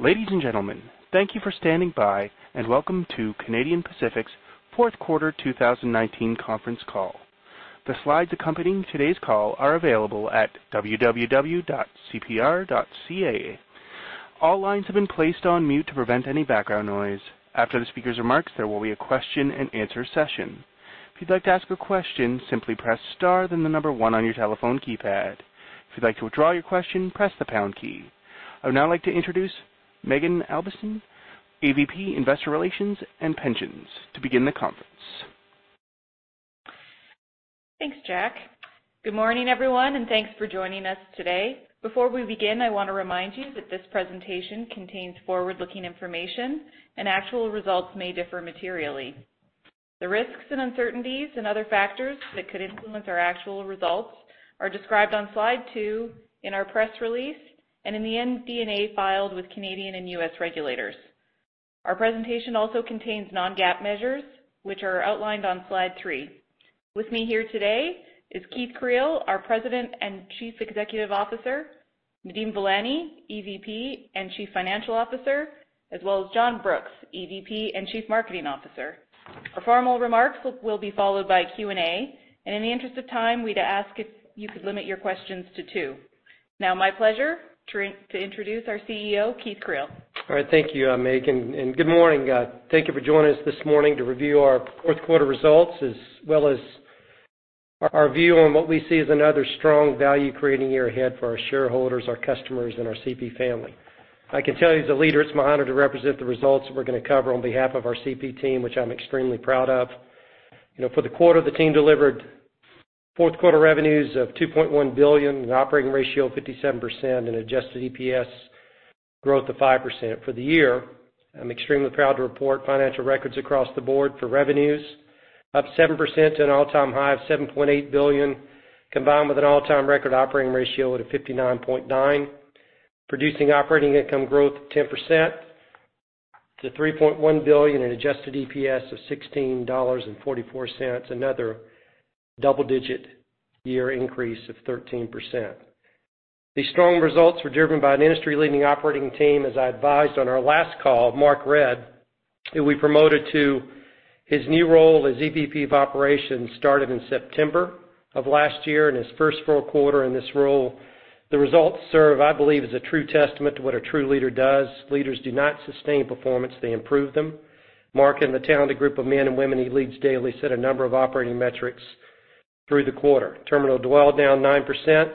Ladies and gentlemen, thank you for standing by, and welcome to Canadian Pacific's Fourth Quarter 2019 Conference Call. The slides accompanying today's call are available at www.cpr.ca. All lines have been placed on mute to prevent any background noise. After the speaker's remarks, there will be a question-and-answer session. If you'd like to ask a question, simply press star then the number 1 on your telephone keypad. If you'd like to withdraw your question, press the pound key. I would now like to introduce Maeghan Albiston, AVP, Investor Relations and Pensions, to begin the conference. Thanks, Jack. Good morning, everyone, and thanks for joining us today. Before we begin, I want to remind you that this presentation contains forward-looking information and actual results may differ materially. The risks and uncertainties and other factors that could influence our actual results are described on slide 2 in our press release and in the MD&A filed with Canadian and U.S. regulators. Our presentation also contains non-GAAP measures, which are outlined on slide 3. With me here today is Keith Creel, our President and Chief Executive Officer, Nadeem Velani, EVP and Chief Financial Officer, as well as John Brooks, EVP and Chief Marketing Officer. Our formal remarks will be followed by Q&A. In the interest of time, we'd ask if you could limit your questions to two. Now my pleasure to introduce our CEO, Keith Creel. All right. Thank you, Maeghan, and good morning. Thank you for joining us this morning to review our fourth quarter results, as well as our view on what we see as another strong value-creating year ahead for our shareholders, our customers, and our CP family. I can tell you as a leader, it's my honor to represent the results we're gonna cover on behalf of our CP team, which I'm extremely proud of. You know, for the quarter, the team delivered fourth quarter revenues of 2.1 billion, an operating ratio of 57% and adjusted EPS growth of 5%. For the year, I'm extremely proud to report financial records across the board for revenues up 7% to an all-time high of 7.8 billion, combined with an all-time record operating ratio at a 59.9, producing operating income growth of 10% to 3.1 billion and adjusted EPS of 16.44 dollars, another double-digit year increase of 13%. These strong results were driven by an industry-leading operating team, as I advised on our last call of Mark Redd, who we promoted to his new role as EVP of Operations, started in September of last year and his first full quarter in this role. The results serve, I believe, as a true testament to what a true leader does. Leaders do not sustain performance, they improve them. Mark and the talented group of men and women he leads daily set a number of operating metrics through the quarter. Terminal dwell down 9%,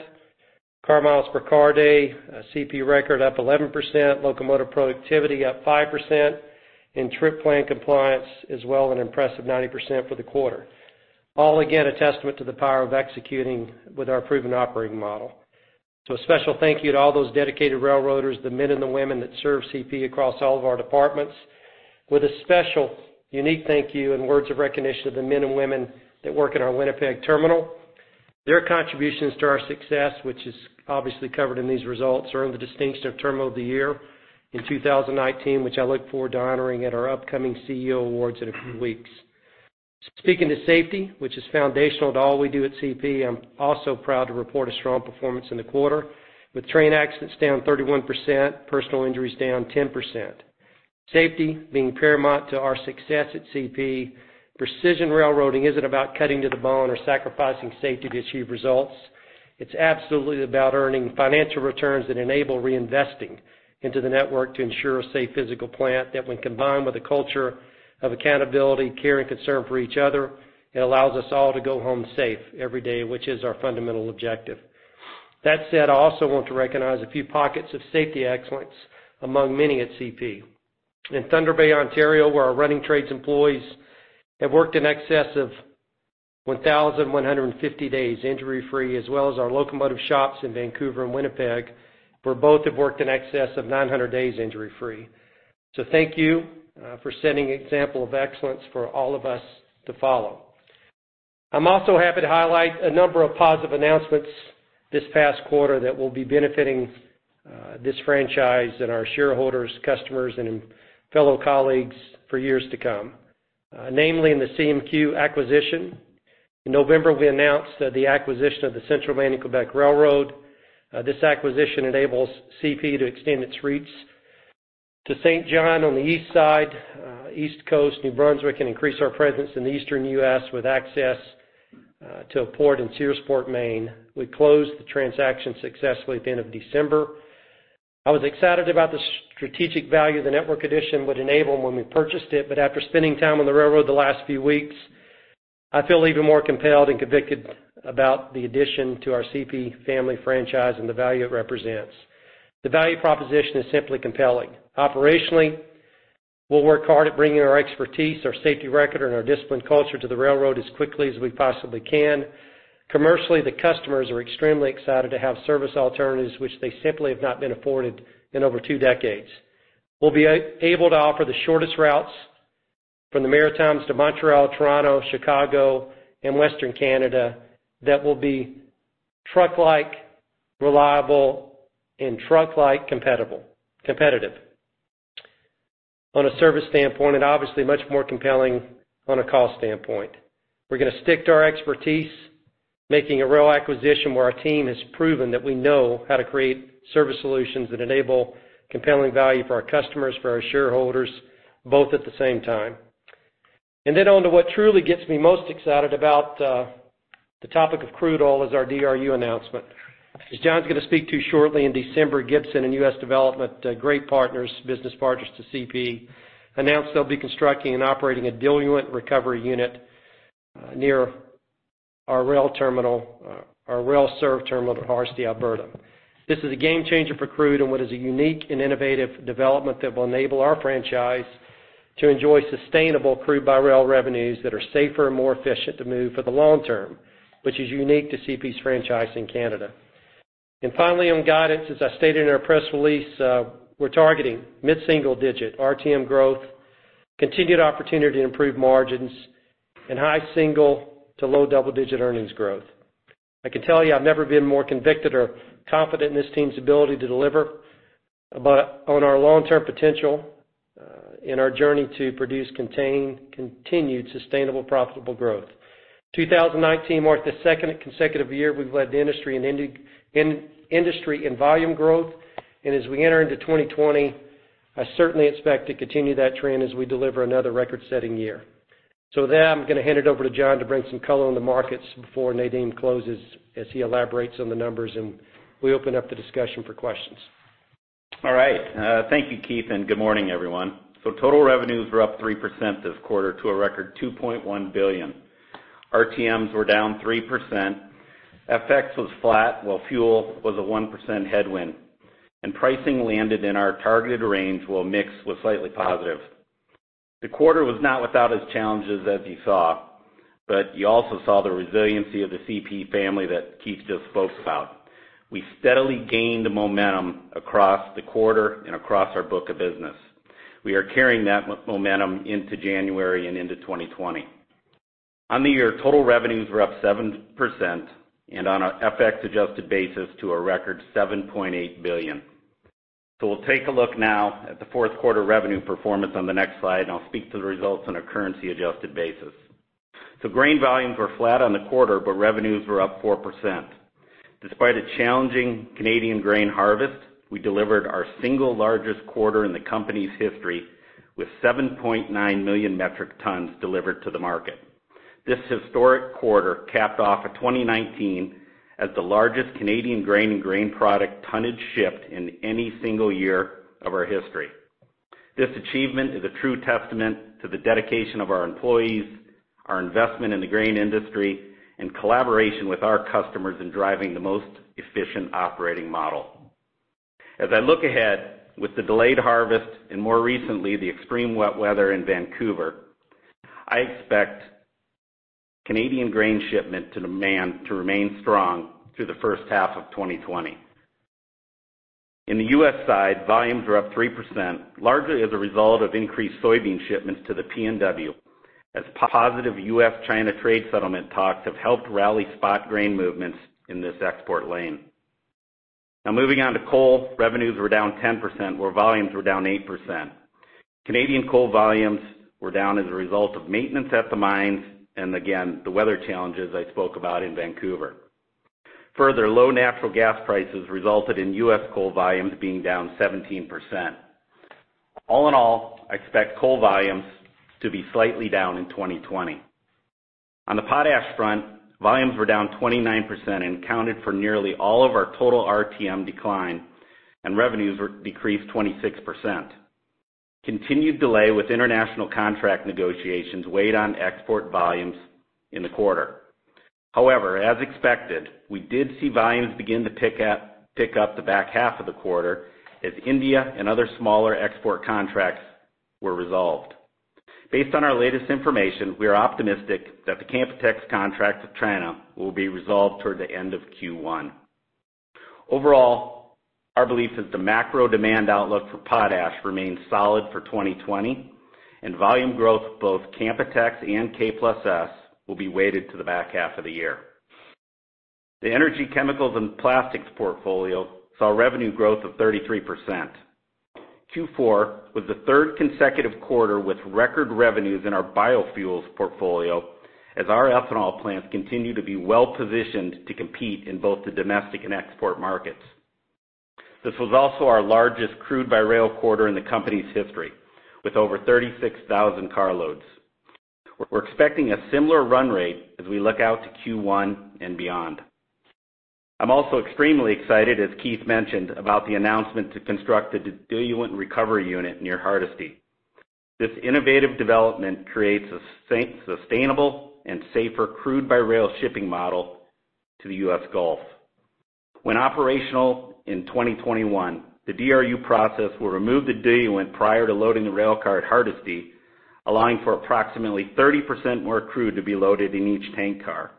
car miles per car day, a CP record up 11%, locomotive productivity up 5%, and trip plan compliance as well an impressive 90% for the quarter. All again, a testament to the power of executing with our proven operating model. A special thank you to all those dedicated railroaders, the men and the women that serve CP across all of our departments with a special, unique thank you and words of recognition to the men and women that work in our Winnipeg terminal. Their contributions to our success, which is obviously covered in these results, earned the distinction of Terminal of the Year in 2019, which I look forward to honoring at our upcoming CEO Awards in a few weeks. Speaking to safety, which is foundational to all we do at CP, I'm also proud to report a strong performance in the quarter, with train accidents down 31%, personal injuries down 10%. Safety being paramount to our success at CP, precision railroading isn't about cutting to the bone or sacrificing safety to achieve results. It's absolutely about earning financial returns that enable reinvesting into the network to ensure a safe physical plant that when combined with a culture of accountability, care, and concern for each other, it allows us all to go home safe every day, which is our fundamental objective. That said, I also want to recognize a few pockets of safety excellence among many at CP. In Thunder Bay, Ontario, where our running trades employees have worked in excess of 1,150 days injury-free, as well as our locomotive shops in Vancouver and Winnipeg, where both have worked in excess of 900 days injury-free. Thank you for setting example of excellence for all of us to follow. I'm also happy to highlight a number of positive announcements this past quarter that will be benefiting this franchise and our shareholders, customers, and fellow colleagues for years to come. Namely in the CMQ acquisition. In November, we announced the acquisition of the Central Maine & Quebec Railway. This acquisition enables CP to extend its reach to Saint John on the east side, East Coast, New Brunswick, and increase our presence in the Eastern U.S. with access to a port in Searsport, Maine. We closed the transaction successfully at the end of December. I was excited about the strategic value the network addition would enable when we purchased it, but after spending time on the railroad the last few weeks, I feel even more compelled and convicted about the addition to our CP family franchise and the value it represents. The value proposition is simply compelling. Operationally, we'll work hard at bringing our expertise, our safety record, and our disciplined culture to the railroad as quickly as we possibly can. Commercially, the customers are extremely excited to have service alternatives which they simply have not been afforded in over two decades. We'll be able to offer the shortest routes from the Maritimes to Montreal, Toronto, Chicago, and Western Canada that will be truck-like reliable and truck-like competitive. On a service standpoint and obviously much more compelling on a cost standpoint. We're gonna stick to our expertise, making a real acquisition where our team has proven that we know how to create service solutions that enable compelling value for our customers, for our shareholders, both at the same time. On to what truly gets me most excited about, the topic of crude oil is our DRU announcement. As John's gonna speak to shortly, in December, Gibson and U.S. Development, great partners, business partners to CP, announced they'll be constructing and operating a diluent recovery unit, near our rail served terminal at Hardisty, Alberta. This is a game changer for crude and what is a unique and innovative development that will enable our franchise to enjoy sustainable crude by rail revenues that are safer and more efficient to move for the long term, which is unique to CP's franchise in Canada. Finally, on guidance, as I stated in our press release, we're targeting mid-single-digit RTM growth, continued opportunity to improve margins, and high-single to low-double-digit earnings growth. I can tell you I've never been more convicted or confident in this team's ability to deliver on our long-term potential in our journey to produce continued sustainable profitable growth. 2019 marked the second consecutive year we've led the industry in industry in volume growth. As we enter into 2020, I certainly expect to continue that trend as we deliver another record-setting year. With that, I'm gonna hand it over to John to bring some color on the markets before Nadeem closes as he elaborates on the numbers, and we open up the discussion for questions. All right. Thank you, Keith, and good morning, everyone. Total revenues were up 3% this quarter to a record 2.1 billion. RTMs were down 3%. FX was flat, while fuel was a 1% headwind. Pricing landed in our targeted range, while mix was slightly positive. The quarter was not without its challenges, as you saw, but you also saw the resiliency of the CP family that Keith just spoke about. We steadily gained momentum across the quarter and across our book of business. We are carrying that momentum into January and into 2020. On the year, total revenues were up 7% and on an FX-adjusted basis to a record 7.8 billion. We'll take a look now at the fourth quarter revenue performance on the next slide, and I'll speak to the results on a currency-adjusted basis. Grain volumes were flat on the quarter, but revenues were up 4%. Despite a challenging Canadian grain harvest, we delivered our single largest quarter in the company's history with 7.9 million metric tons delivered to the market. This historic quarter capped off a 2019 as the largest Canadian grain and grain product tonnage shipped in any single year of our history. This achievement is a true testament to the dedication of our employees, our investment in the grain industry, and collaboration with our customers in driving the most efficient operating model. As I look ahead, with the delayed harvest and more recently, the extreme wet weather in Vancouver, I expect Canadian grain shipment to demand to remain strong through the first half of 2020. In the U.S. side, volumes were up 3%, largely as a result of increased soybean shipments to the PNW, as positive U.S.-China trade settlement talks have helped rally spot grain movements in this export lane. Now, moving on to coal, revenues were down 10%, where volumes were down 8%. Canadian coal volumes were down as a result of maintenance at the mines and again, the weather challenges I spoke about in Vancouver. Further, low natural gas prices resulted in U.S. coal volumes being down 17%. All in all, I expect coal volumes to be slightly down in 2020. On the potash front, volumes were down 29% and accounted for nearly all of our total RTM decline, and revenues decreased 26%. Continued delay with international contract negotiations weighed on export volumes in the quarter. However, as expected, we did see volumes begin to pick up the back half of the quarter as India and other smaller export contracts were resolved. Based on our latest information, we are optimistic that the Canpotex contract with China will be resolved toward the end of Q1. Our belief is the macro demand outlook for potash remains solid for 2020, and volume growth of both Canpotex and K+S will be weighted to the back half of the year. The energy, chemicals, and plastics portfolio saw revenue growth of 33%. Q4 was the third consecutive quarter with record revenues in our biofuels portfolio as our ethanol plants continue to be well-positioned to compete in both the domestic and export markets. This was also our largest crude by rail quarter in the company's history, with over 36,000 carloads. We're expecting a similar run rate as we look out to Q1 and beyond. I'm also extremely excited, as Keith mentioned, about the announcement to construct the diluent recovery unit near Hardisty. This innovative development creates a sustainable and safer crude by rail shipping model to the U.S. Gulf. When operational in 2021, the DRU process will remove the diluent prior to loading the rail car at Hardisty, allowing for approximately 30% more crude to be loaded in each tank car,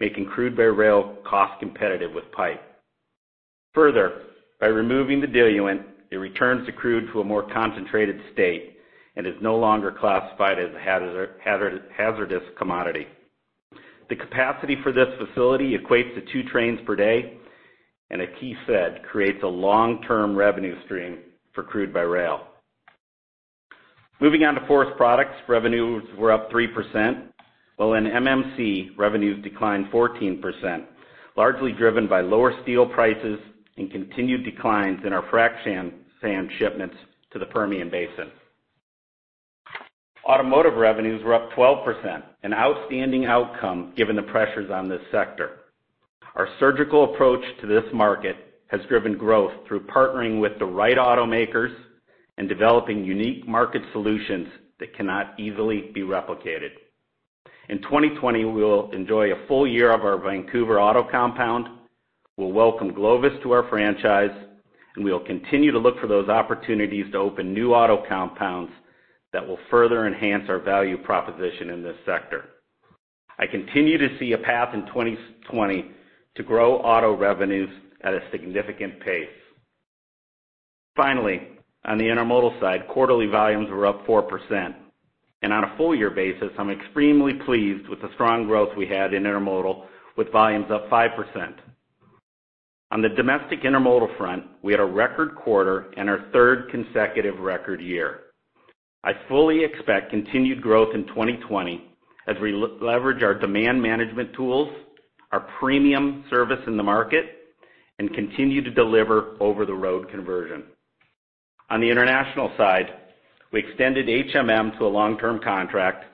making crude by rail cost competitive with pipe. Further, by removing the diluent, it returns the crude to a more concentrated state and is no longer classified as a hazardous commodity. The capacity for this facility equates to 2 trains per day, and as Keith said, creates a long-term revenue stream for crude by rail. Moving on to forest products, revenues were up 3%, while in MMC, revenues declined 14%, largely driven by lower steel prices and continued declines in our frac sand shipments to the Permian Basin. Automotive revenues were up 12%, an outstanding outcome given the pressures on this sector. Our surgical approach to this market has driven growth through partnering with the right automakers and developing unique market solutions that cannot easily be replicated. In 2020, we will enjoy a full year of our Vancouver auto compound. We'll welcome Glovis to our franchise. We will continue to look for those opportunities to open new auto compounds that will further enhance our value proposition in this sector. I continue to see a path in 2020 to grow auto revenues at a significant pace. Finally, on the intermodal side, quarterly volumes were up 4%, and on a full year basis, I'm extremely pleased with the strong growth we had in intermodal with volumes up 5%. On the domestic intermodal front, we had a record quarter and our third consecutive record year. I fully expect continued growth in 2020 as we leverage our demand management tools, our premium service in the market, and continue to deliver over-the-road conversion. On the international side, we extended HMM to a long-term contract,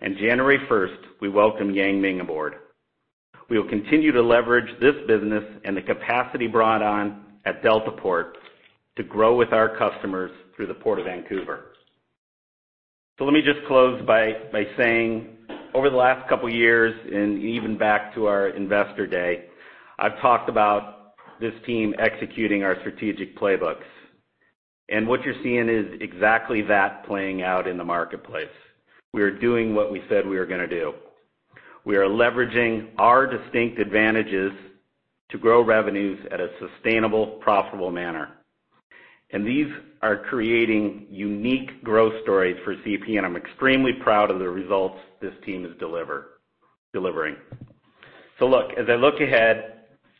and January 1, we welcome Yang Ming aboard. We will continue to leverage this business and the capacity brought on at Deltaport to grow with our customers through the Port of Vancouver. Let me just close by saying over the last couple years and even back to our investor day, I've talked about this team executing our strategic playbooks. What you're seeing is exactly that playing out in the marketplace. We are doing what we said we were gonna do. We are leveraging our distinct advantages to grow revenues at a sustainable, profitable manner. These are creating unique growth stories for CP, and I'm extremely proud of the results this team has delivering. Look, as I look ahead,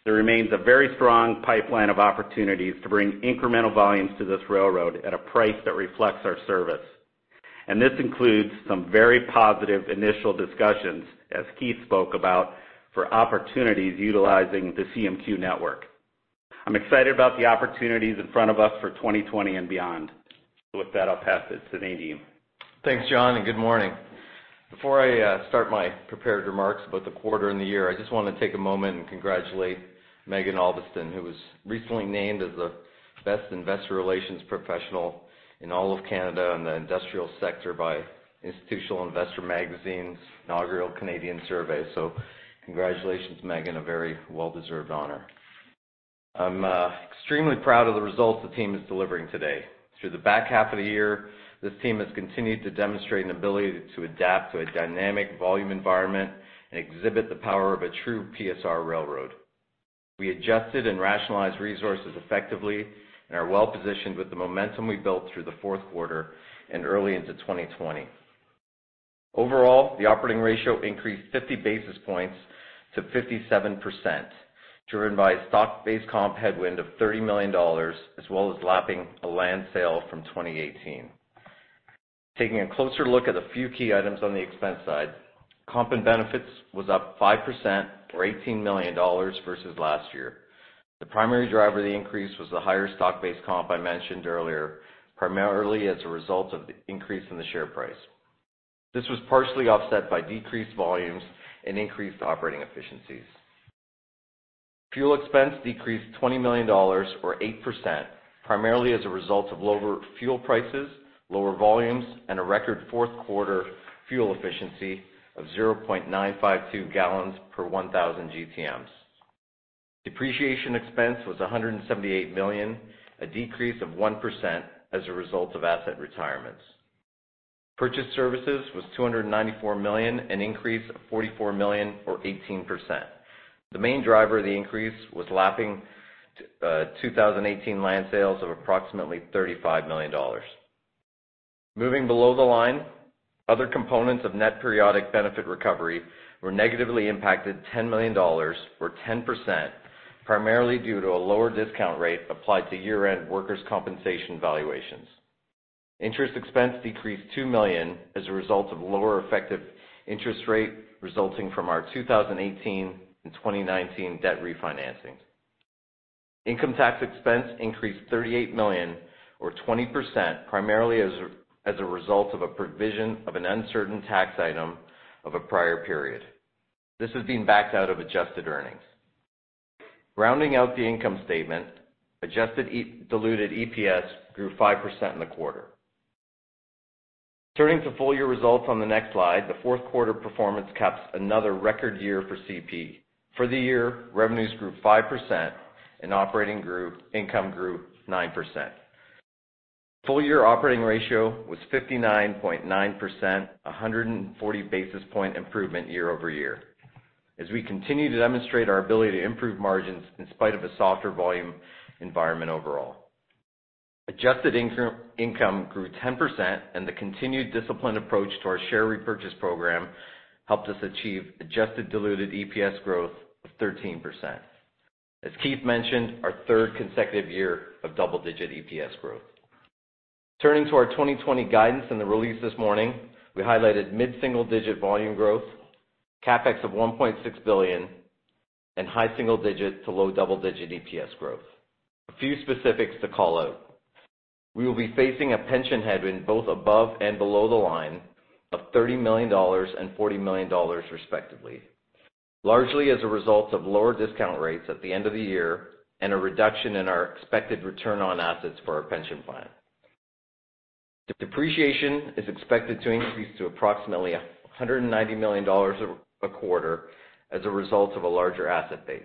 there remains a very strong pipeline of opportunities to bring incremental volumes to this railroad at a price that reflects our service. This includes some very positive initial discussions, as Keith spoke about, for opportunities utilizing the CMQ network. I'm excited about the opportunities in front of us for 2020 and beyond. With that, I'll pass it to Nadeem. Thanks, John, and good morning. Before I start my prepared remarks about the quarter and the year, I just wanna take a moment and congratulate Maeghan Albiston, who was recently named as the best investor relations professional in all of Canada in the industrial sector by Institutional Investor Magazine's inaugural Canadian survey. Congratulations, Maeghan, a very well-deserved honor. I'm extremely proud of the results the team is delivering today. Through the back half of the year, this team has continued to demonstrate an ability to adapt to a dynamic volume environment and exhibit the power of a true PSR railroad. We adjusted and rationalized resources effectively and are well-positioned with the momentum we built through the fourth quarter and early into 2020. Overall, the operating ratio increased 50 basis points to 57%, driven by stock-based comp headwind of 30 million dollars as well as lapping a land sale from 2018. Taking a closer look at a few key items on the expense side, comp and benefits was up 5% or 18 million dollars versus last year. The primary driver of the increase was the higher stock-based comp I mentioned earlier, primarily as a result of the increase in the share price. This was partially offset by decreased volumes and increased operating efficiencies. Fuel expense decreased 20 million dollars or 8%, primarily as a result of lower fuel prices, lower volumes, and a record fourth quarter fuel efficiency of 0.952 gallons per 1,000 GTMs. Depreciation expense was 178 million, a decrease of 1% as a result of asset retirements. Purchased services was 294 million, an increase of 44 million or 18%. The main driver of the increase was lapping 2018 land sales of approximately 35 million dollars. Moving below the line, other components of net periodic benefit recovery were negatively impacted 10 million dollars or 10%, primarily due to a lower discount rate applied to year-end workers' compensation valuations. Interest expense decreased 2 million as a result of lower effective interest rate resulting from our 2018 and 2019 debt refinancing. Income tax expense increased 38 million or 20%, primarily as a result of a provision of an uncertain tax item of a prior period. This is being backed out of adjusted earnings. Rounding out the income statement, adjusted diluted EPS grew 5% in the quarter. Turning to full year results on the next slide, the fourth quarter performance caps another record year for CP. For the year, revenues grew 5% and operating income grew 9%. Full year operating ratio was 59.9%, a 140 basis point improvement year-over-year as we continue to demonstrate our ability to improve margins in spite of a softer volume environment overall. Adjusted income grew 10%, and the continued disciplined approach to our share repurchase program helped us achieve adjusted diluted EPS growth of 13%. As Keith mentioned, our third consecutive year of double-digit EPS growth. Turning to our 2020 guidance in the release this morning, we highlighted mid-single digit volume growth, CapEx of 1.6 billion, and high single digit to low double-digit EPS growth. A few specifics to call out. We will be facing a pension headwind both above and below the line of 30 million dollars and 40 million dollars, respectively, largely as a result of lower discount rates at the end of the year and a reduction in our expected return on assets for our pension plan. Depreciation is expected to increase to approximately 190 million dollars a quarter as a result of a larger asset base.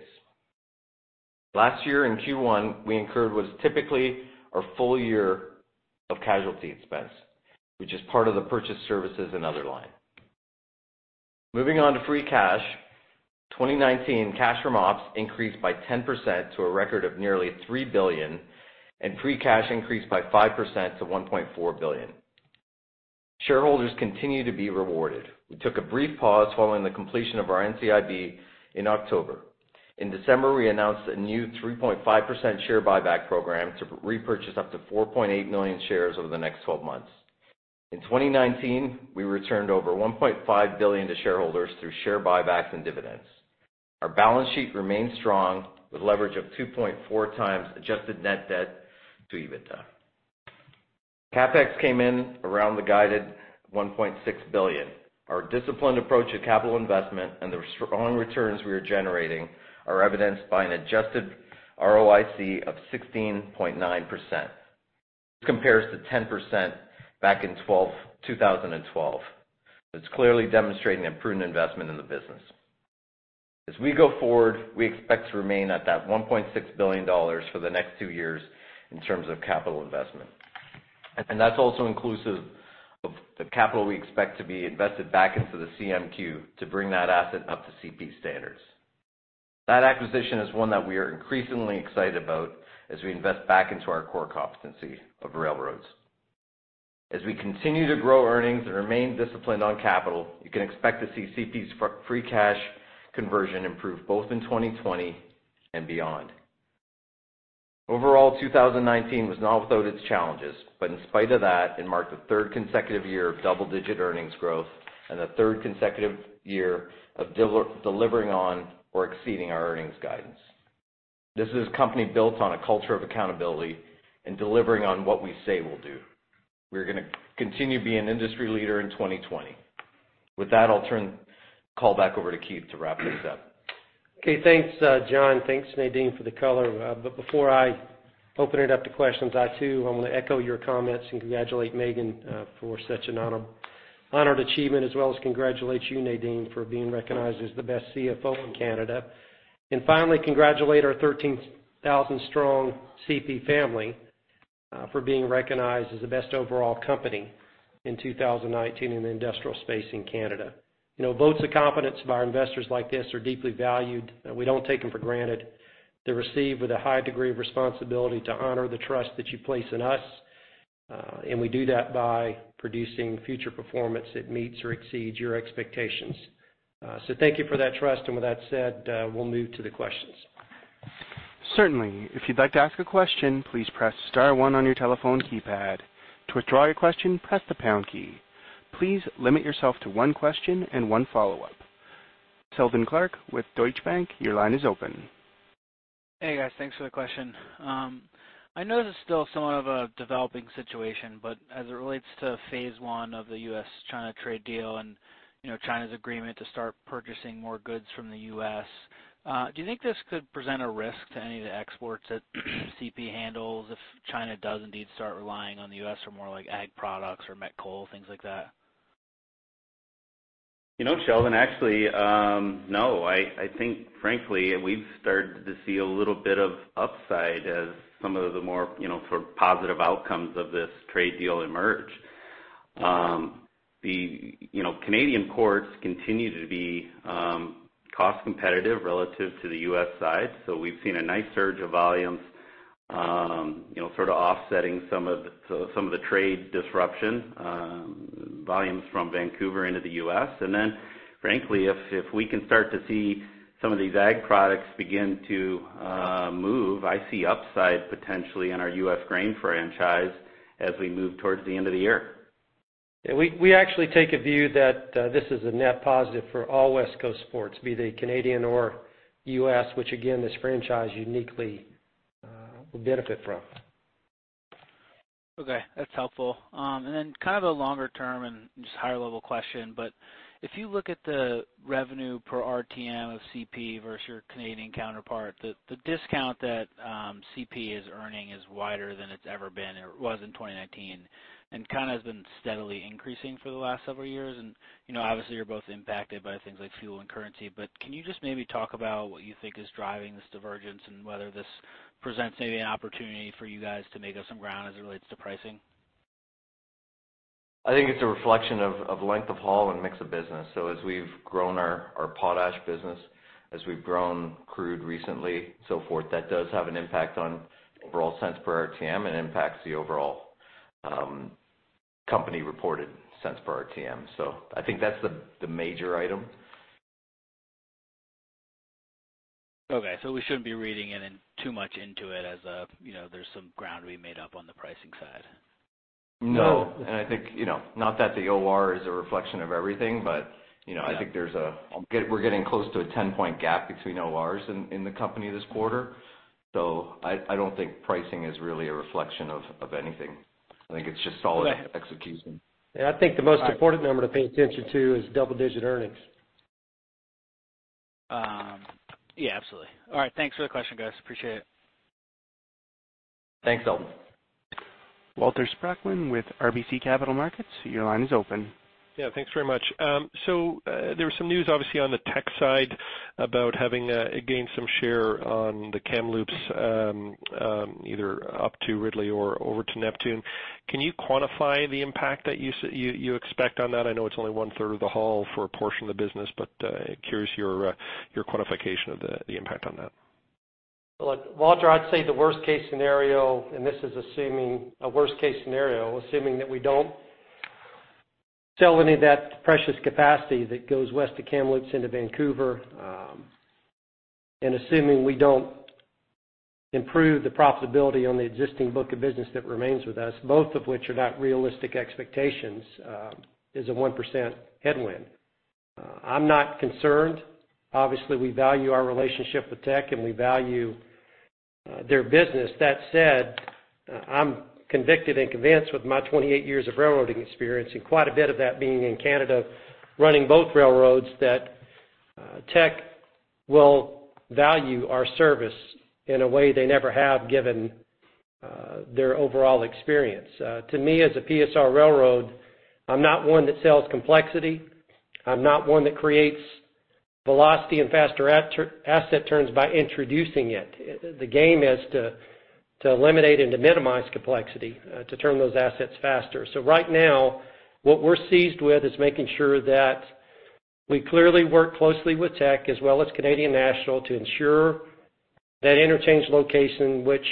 Last year in Q1, we incurred what is typically our full year of casualty expense, which is part of the purchased services and other line. Moving on to free cash. 2019 cash from ops increased by 10% to a record of nearly 3 billion, and free cash increased by 5% to 1.4 billion. Shareholders continue to be rewarded. We took a brief pause following the completion of our NCIB in October. In December, we announced a new 3.5% share buyback program to repurchase up to 4.8 million shares over the next 12 months. In 2019, we returned over 1.5 billion to shareholders through share buybacks and dividends. Our balance sheet remains strong, with leverage of 2.4x adjusted net debt to EBITDA. CapEx came in around the guided 1.6 billion. Our disciplined approach to capital investment and the strong returns we are generating are evidenced by an adjusted ROIC of 16.9%. This compares to 10% back in 2012. It's clearly demonstrating improved investment in the business. As we go forward, we expect to remain at that 1.6 billion dollars for the next two years in terms of capital investment. That's also inclusive of the capital we expect to be invested back into the CMQ to bring that asset up to CP standards. That acquisition is one that we are increasingly excited about as we invest back into our core competency of railroads. As we continue to grow earnings and remain disciplined on capital, you can expect to see CP's free cash conversion improve both in 2020 and beyond. Overall, 2019 was not without its challenges, but in spite of that, it marked the third consecutive year of double-digit earnings growth and the third consecutive year of delivering on or exceeding our earnings guidance. This is a company built on a culture of accountability and delivering on what we say we'll do. We're gonna continue to be an industry leader in 2020. With that, I'll turn the call back over to Keith to wrap things up. Okay, thanks, John. Thanks, Nadeem, for the color. before I open it up to questions, I too, I want to echo your comments and congratulate Maeghan, for such an honor-honored achievement, as well as congratulate you, Nadeem, for being recognized as the best CFO in Canada. finally, congratulate our 13,000 strong CP family, for being recognized as the best overall company in 2019 in the industrial space in Canada. You know, votes of confidence by our investors like this are deeply valued. we don't take them for granted. They're received with a high degree of responsibility to honor the trust that you place in us, and we do that by producing future performance that meets or exceeds your expectations. thank you for that trust. with that said, we'll move to the questions. Certainly. If you'd like to ask a question, please press star one on your telephone keypad. To withdraw your question, press the pound key. Please limit yourself to one question and one follow-up. Seldon Clarke with Deutsche Bank, your line is open. Hey, guys. Thanks for the question. I know this is still somewhat of a developing situation, but as it relates to phase one of the U.S.-China trade deal and, you know, China's agreement to start purchasing more goods from the U.S., do you think this could present a risk to any of the exports that CP handles if China does indeed start relying on the U.S. for more like ag products or met coal, things like that? You know, Seldon, actually, no. I think frankly, we've started to see a little bit of upside as some of the more, you know, for positive outcomes of this trade deal emerge. The you know Canadian ports continue to be cost competitive relative to the U.S. side. We've seen a nice surge of volumes, you know, sort of offsetting some of the trade disruption volumes from Vancouver into the U.S. Frankly, if we can start to see some of these ag products begin to move, I see upside potentially in our U.S. grain franchise as we move towards the end of the year. Yeah, we actually take a view that, this is a net positive for all West Coast ports, be they Canadian or U.S., which again, this franchise uniquely, will benefit from. Okay, that's helpful. Kind of a longer term and just higher-level question, but if you look at the revenue per RTM of CP versus your Canadian counterpart, the discount that CP is earning is wider than it's ever been or it was in 2019 and kinda has been steadily increasing for the last several years. Obviously, you're both impacted by things like fuel and currency, but can you just maybe talk about what you think is driving this divergence and whether this presents maybe an opportunity for you guys to make up some ground as it relates to pricing? I think it's a reflection of length of haul and mix of business. As we've grown our potash business, as we've grown crude recently, so forth, that does have an impact on overall cents per RTM and impacts the overall company reported cents per RTM. I think that's the major item. Okay. We shouldn't be reading in too much into it as a, you know, there's some ground to be made up on the pricing side? No. I think not that the OR is a reflection of everything, but, you know- Yeah I think we're getting close to a 10-point gap between ORs in the company this quarter. I don't think pricing is really a reflection of anything. I think it's just solid execution. Okay. Yeah, I think the most important number to pay attention to is double-digit earnings. Yeah, absolutely. All right. Thanks for the question, guys. Appreciate it. Thanks, Seldon. Walter Spracklin with RBC Capital Markets, your line is open. Yeah, thanks very much. There was some news obviously on the Teck side about having gained some share on the Kamloops either up to Ridley or over to Neptune. Can you quantify the impact that you expect on that? I know it's only one-third of the haul for a portion of the business, but curious your quantification of the impact on that. Look, Walter, I'd say the worst case scenario, and this is assuming a worst case scenario, assuming that we don't sell any of that precious capacity that goes west of Kamloops into Vancouver, and assuming we don't improve the profitability on the existing book of business that remains with us, both of which are not realistic expectations, is a 1% headwind. I'm not concerned. Obviously, we value our relationship with Teck and we value their business. That said, I'm convicted and convinced with my 28 years of railroading experience and quite a bit of that being in Canada, running both railroads, that Teck will value our service in a way they never have given their overall experience. To me, as a PSR railroad, I'm not one that sells complexity. I'm not one that creates velocity and faster asset turns by introducing it. The game is to eliminate and to minimize complexity to turn those assets faster. Right now, what we're seized with is making sure that we clearly work closely with Teck as well as Canadian National to ensure that interchange location, which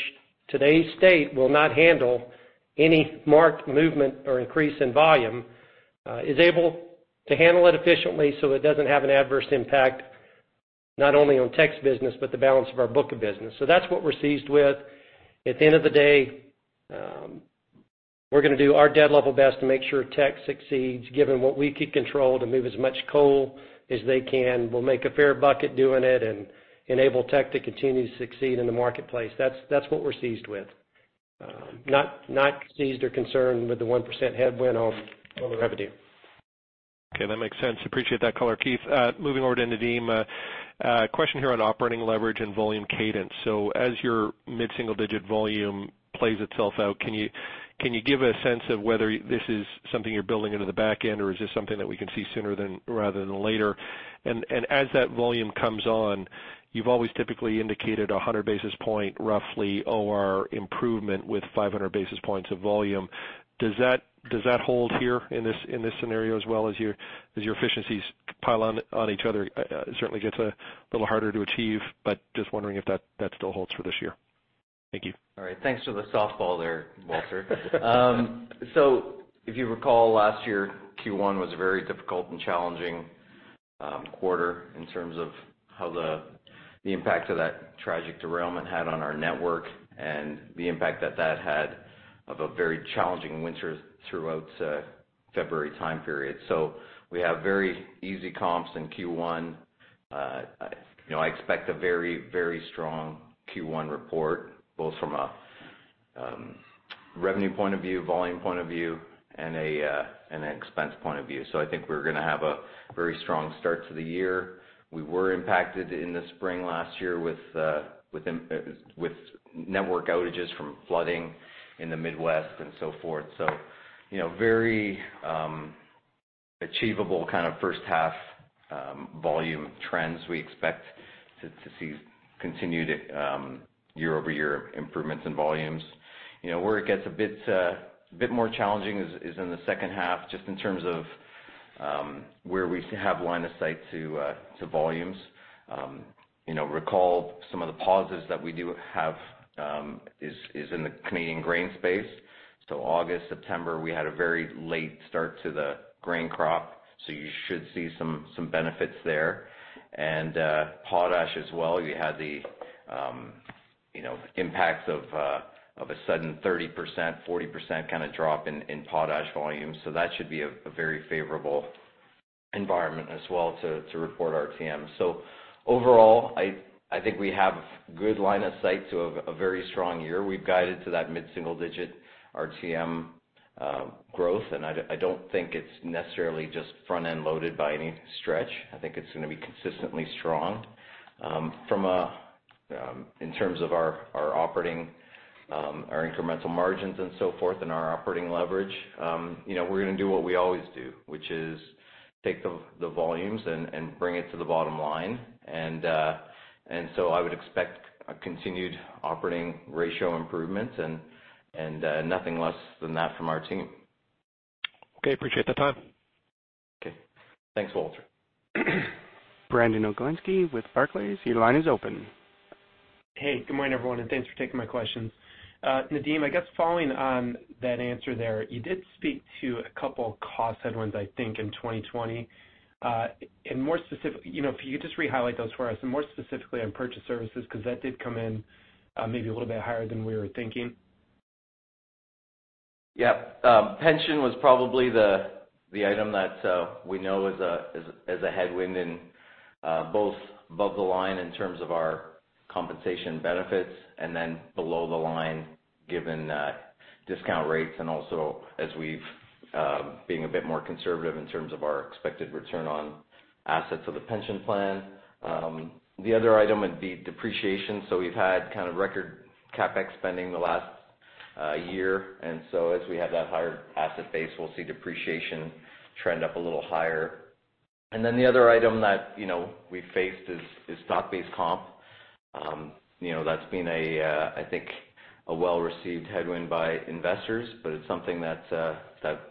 today's state will not handle any marked movement or increase in volume, is able to handle it efficiently so it doesn't have an adverse impact, not only on Teck's business, but the balance of our book of business. That's what we're seized with. At the end of the day, we're gonna do our dead level best to make sure Teck succeeds, given what we could control to move as much coal as they can. We'll make a fair bucket doing it and enable Teck to continue to succeed in the marketplace. That's what we're seized with. Not seized or concerned with the 1% headwind on the revenue. Okay, that makes sense. Appreciate that color, Keith. Moving over to Nadeem. A question here on operating leverage and volume cadence. As your mid-single digit volume plays itself out, can you give a sense of whether this is something you're building into the back end, or is this something that we can see sooner rather than later? As that volume comes on, you've always typically indicated a 100 basis point, roughly, OR improvement with 500 basis points of volume. Does that hold here in this scenario as well as your efficiencies pile on each other? Certainly gets a little harder to achieve, but just wondering if that still holds for this year. Thank you. All right. Thanks for the softball there, Walter. If you recall last year, Q1 was a very difficult and challenging quarter in terms of how the impact of that tragic derailment had on our network and the impact that that had of a very challenging winter throughout February time period. We have very easy comps in Q1. You know, I expect a very, very strong Q1 report, both from a revenue point of view, volume point of view, and an expense point of view. I think we're gonna have a very strong start to the year. We were impacted in the spring last year with network outages from flooding in the Midwest and so forth. Very achievable kind of first half volume trends. We expect to see continued year-over-year improvements in volumes. You know, where it gets a bit more challenging is in the second half, just in terms of where we have line of sight to volumes. Recall some of the pauses that we do have is in the Canadian grain space. August, September, we had a very late start to the grain crop, so you should see some benefits there. Potash as well. You had the impacts of a sudden 30%, 40% kinda drop in potash volume. That should be a very favorable environment as well to report RTM. Overall, I think we have good line of sight to a very strong year. We've guided to that mid-single digit RTM growth, and I don't think it's necessarily just front-end loaded by any stretch. I think it's gonna be consistently strong. In terms of our operating incremental margins and so forth and our operating leverage, you know, we're gonna do what we always do, which is take the volumes and bring it to the bottom line. I would expect a continued operating ratio improvement and nothing less than that from our team. Okay. Appreciate the time. Okay. Thanks, Walter. Brandon Oglenski with Barclays, your line is open. Hey, good morning, everyone, and thanks for taking my questions. Nadeem, I guess following on that answer there, you did speak to a couple cost headwinds, I think, in 2020. You know, if you could just re-highlight those for us, and more specifically on purchased services, 'cause that did come in, maybe a little bit higher than we were thinking. Yeah. Pension was probably the item that we know is a headwind in both above the line in terms of our compensation benefits and then below the line given discount rates and also as we've being a bit more conservative in terms of our expected return on assets of the pension plan. The other item would be depreciation. We've had kind of record CapEx spending the last year. As we have that higher asset base, we'll see depreciation trend up a little higher. Then the other item that, you know, we faced is stock-based comp. You know, that's been a, I think, a well-received headwind by investors, but it's something that,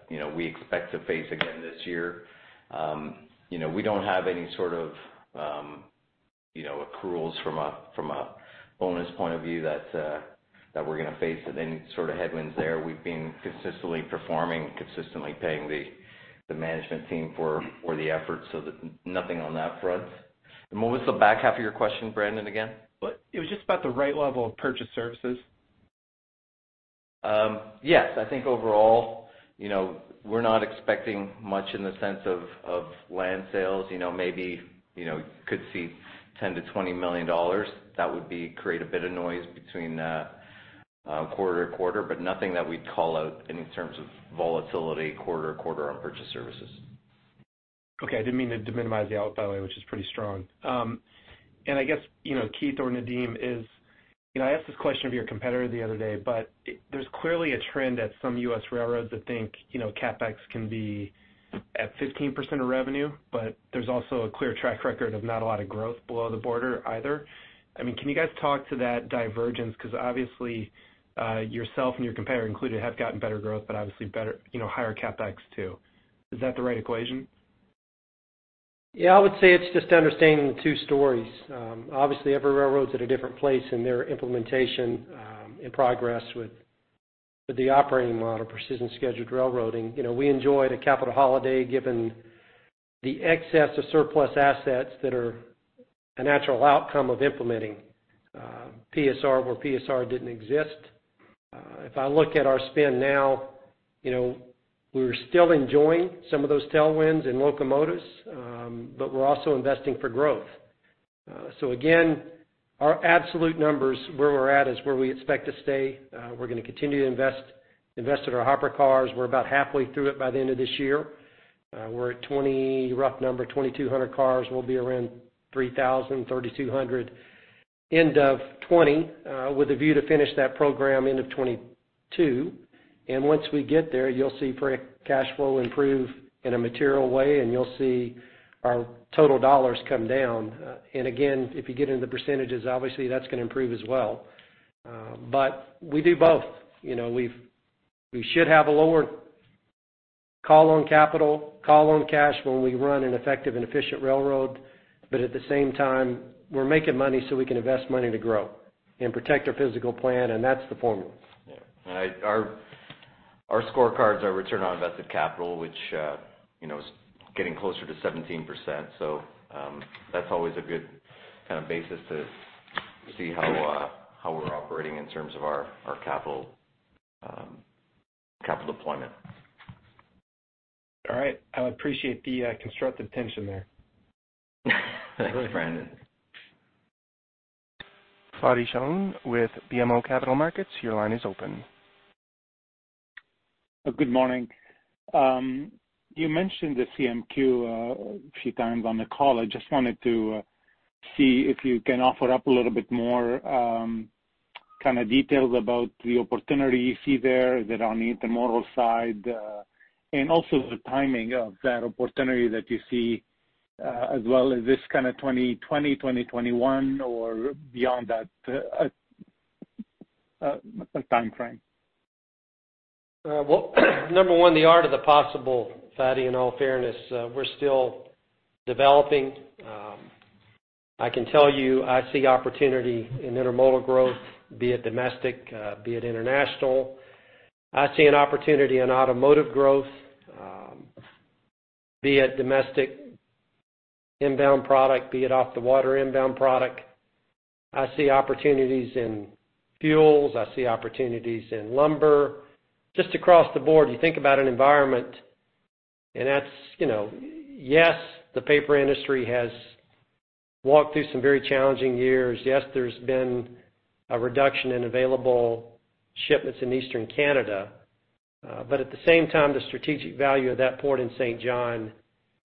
you know, we expect to face again this year. We don't have any sort of, you know, accruals from a bonus point of view that we're gonna face with any sort of headwinds there. We've been consistently performing, consistently paying the management team for the efforts, so nothing on that front. What was the back half of your question, Brandon, again? Well, it was just about the right level of purchased services. Yes. I think overall, you know, we're not expecting much in the sense of land sales. You know, maybe, you know, could see 10-20 million dollars. That would create a bit of noise between quarter-to-quarter, but nothing that we'd call out in terms of volatility quarter-to-quarter on purchased services. Okay. I didn't mean to minimize the output, by the way, which is pretty strong. I guess Keith or Nadeem, I asked this question of your competitor the other day, but there's clearly a trend at some U.S. railroads that think, you know, CapEx can be at 15% of revenue, but there's also a clear track record of not a lot of growth below the border either. I mean, can you guys talk to that divergence? 'Cause obviously, yourself and your competitor included have gotten better growth, but obviously better, higher CapEx too. Is that the right equation? Yeah, I would say it's just understanding the two stories. Obviously every railroad's at a different place in their implementation, and progress with the operating model, precision scheduled railroading. We enjoyed a capital holiday given the excess of surplus assets that are a natural outcome of implementing PSR where PSR didn't exist. If I look at our spend now, you know, we're still enjoying some of those tailwinds and locomotives, but we're also investing for growth. Again, our absolute numbers where we're at is where we expect to stay. We're gonna continue to invest in our hopper cars. We're about halfway through it by the end of this year. We're at 20, rough number, 2,200 cars. We'll be around 3,000, 3,200 end of 2020, with a view to finish that program end of 2022. Once we get there, you'll see free cash flow improve in a material way, and you'll see our total dollars come down. Again, if you get into the percentages, obviously that's gonna improve as well. We do both. We should have a lower call on capital, call on cash when we run an effective and efficient railroad. At the same time, we're making money so we can invest money to grow and protect our physical plan, and that's the formula. Our scorecards, our return on invested capital, which, you know, is getting closer to 17%. That's always a good kind of basis to see how we're operating in terms of our capital deployment. All right. I appreciate the constructive tension there. Thanks, Brandon. Fadi Chamoun with BMO Capital Markets, your line is open. Good morning. You mentioned the CMQ a few times on the call. I just wanted to see if you can offer up a little bit more, kinda details about the opportunity you see there that are on the intermodal side. Also the timing of that opportunity that you see, as well as this kind of 2020, 2021 or beyond that, timeframe. Well, number one, the art of the possible, Fadi, in all fairness, we're still developing. I can tell you, I see opportunity in intermodal growth, be it domestic, be it international. I see an opportunity in automotive growth, be it domestic inbound product, be it off the water inbound product. I see opportunities in fuels. I see opportunities in lumber. Just across the board, you think about an environment and that's, yes, the paper industry has walked through some very challenging years. Yes, there's been a reduction in available shipments in Eastern Canada. At the same time, the strategic value of that port in Saint John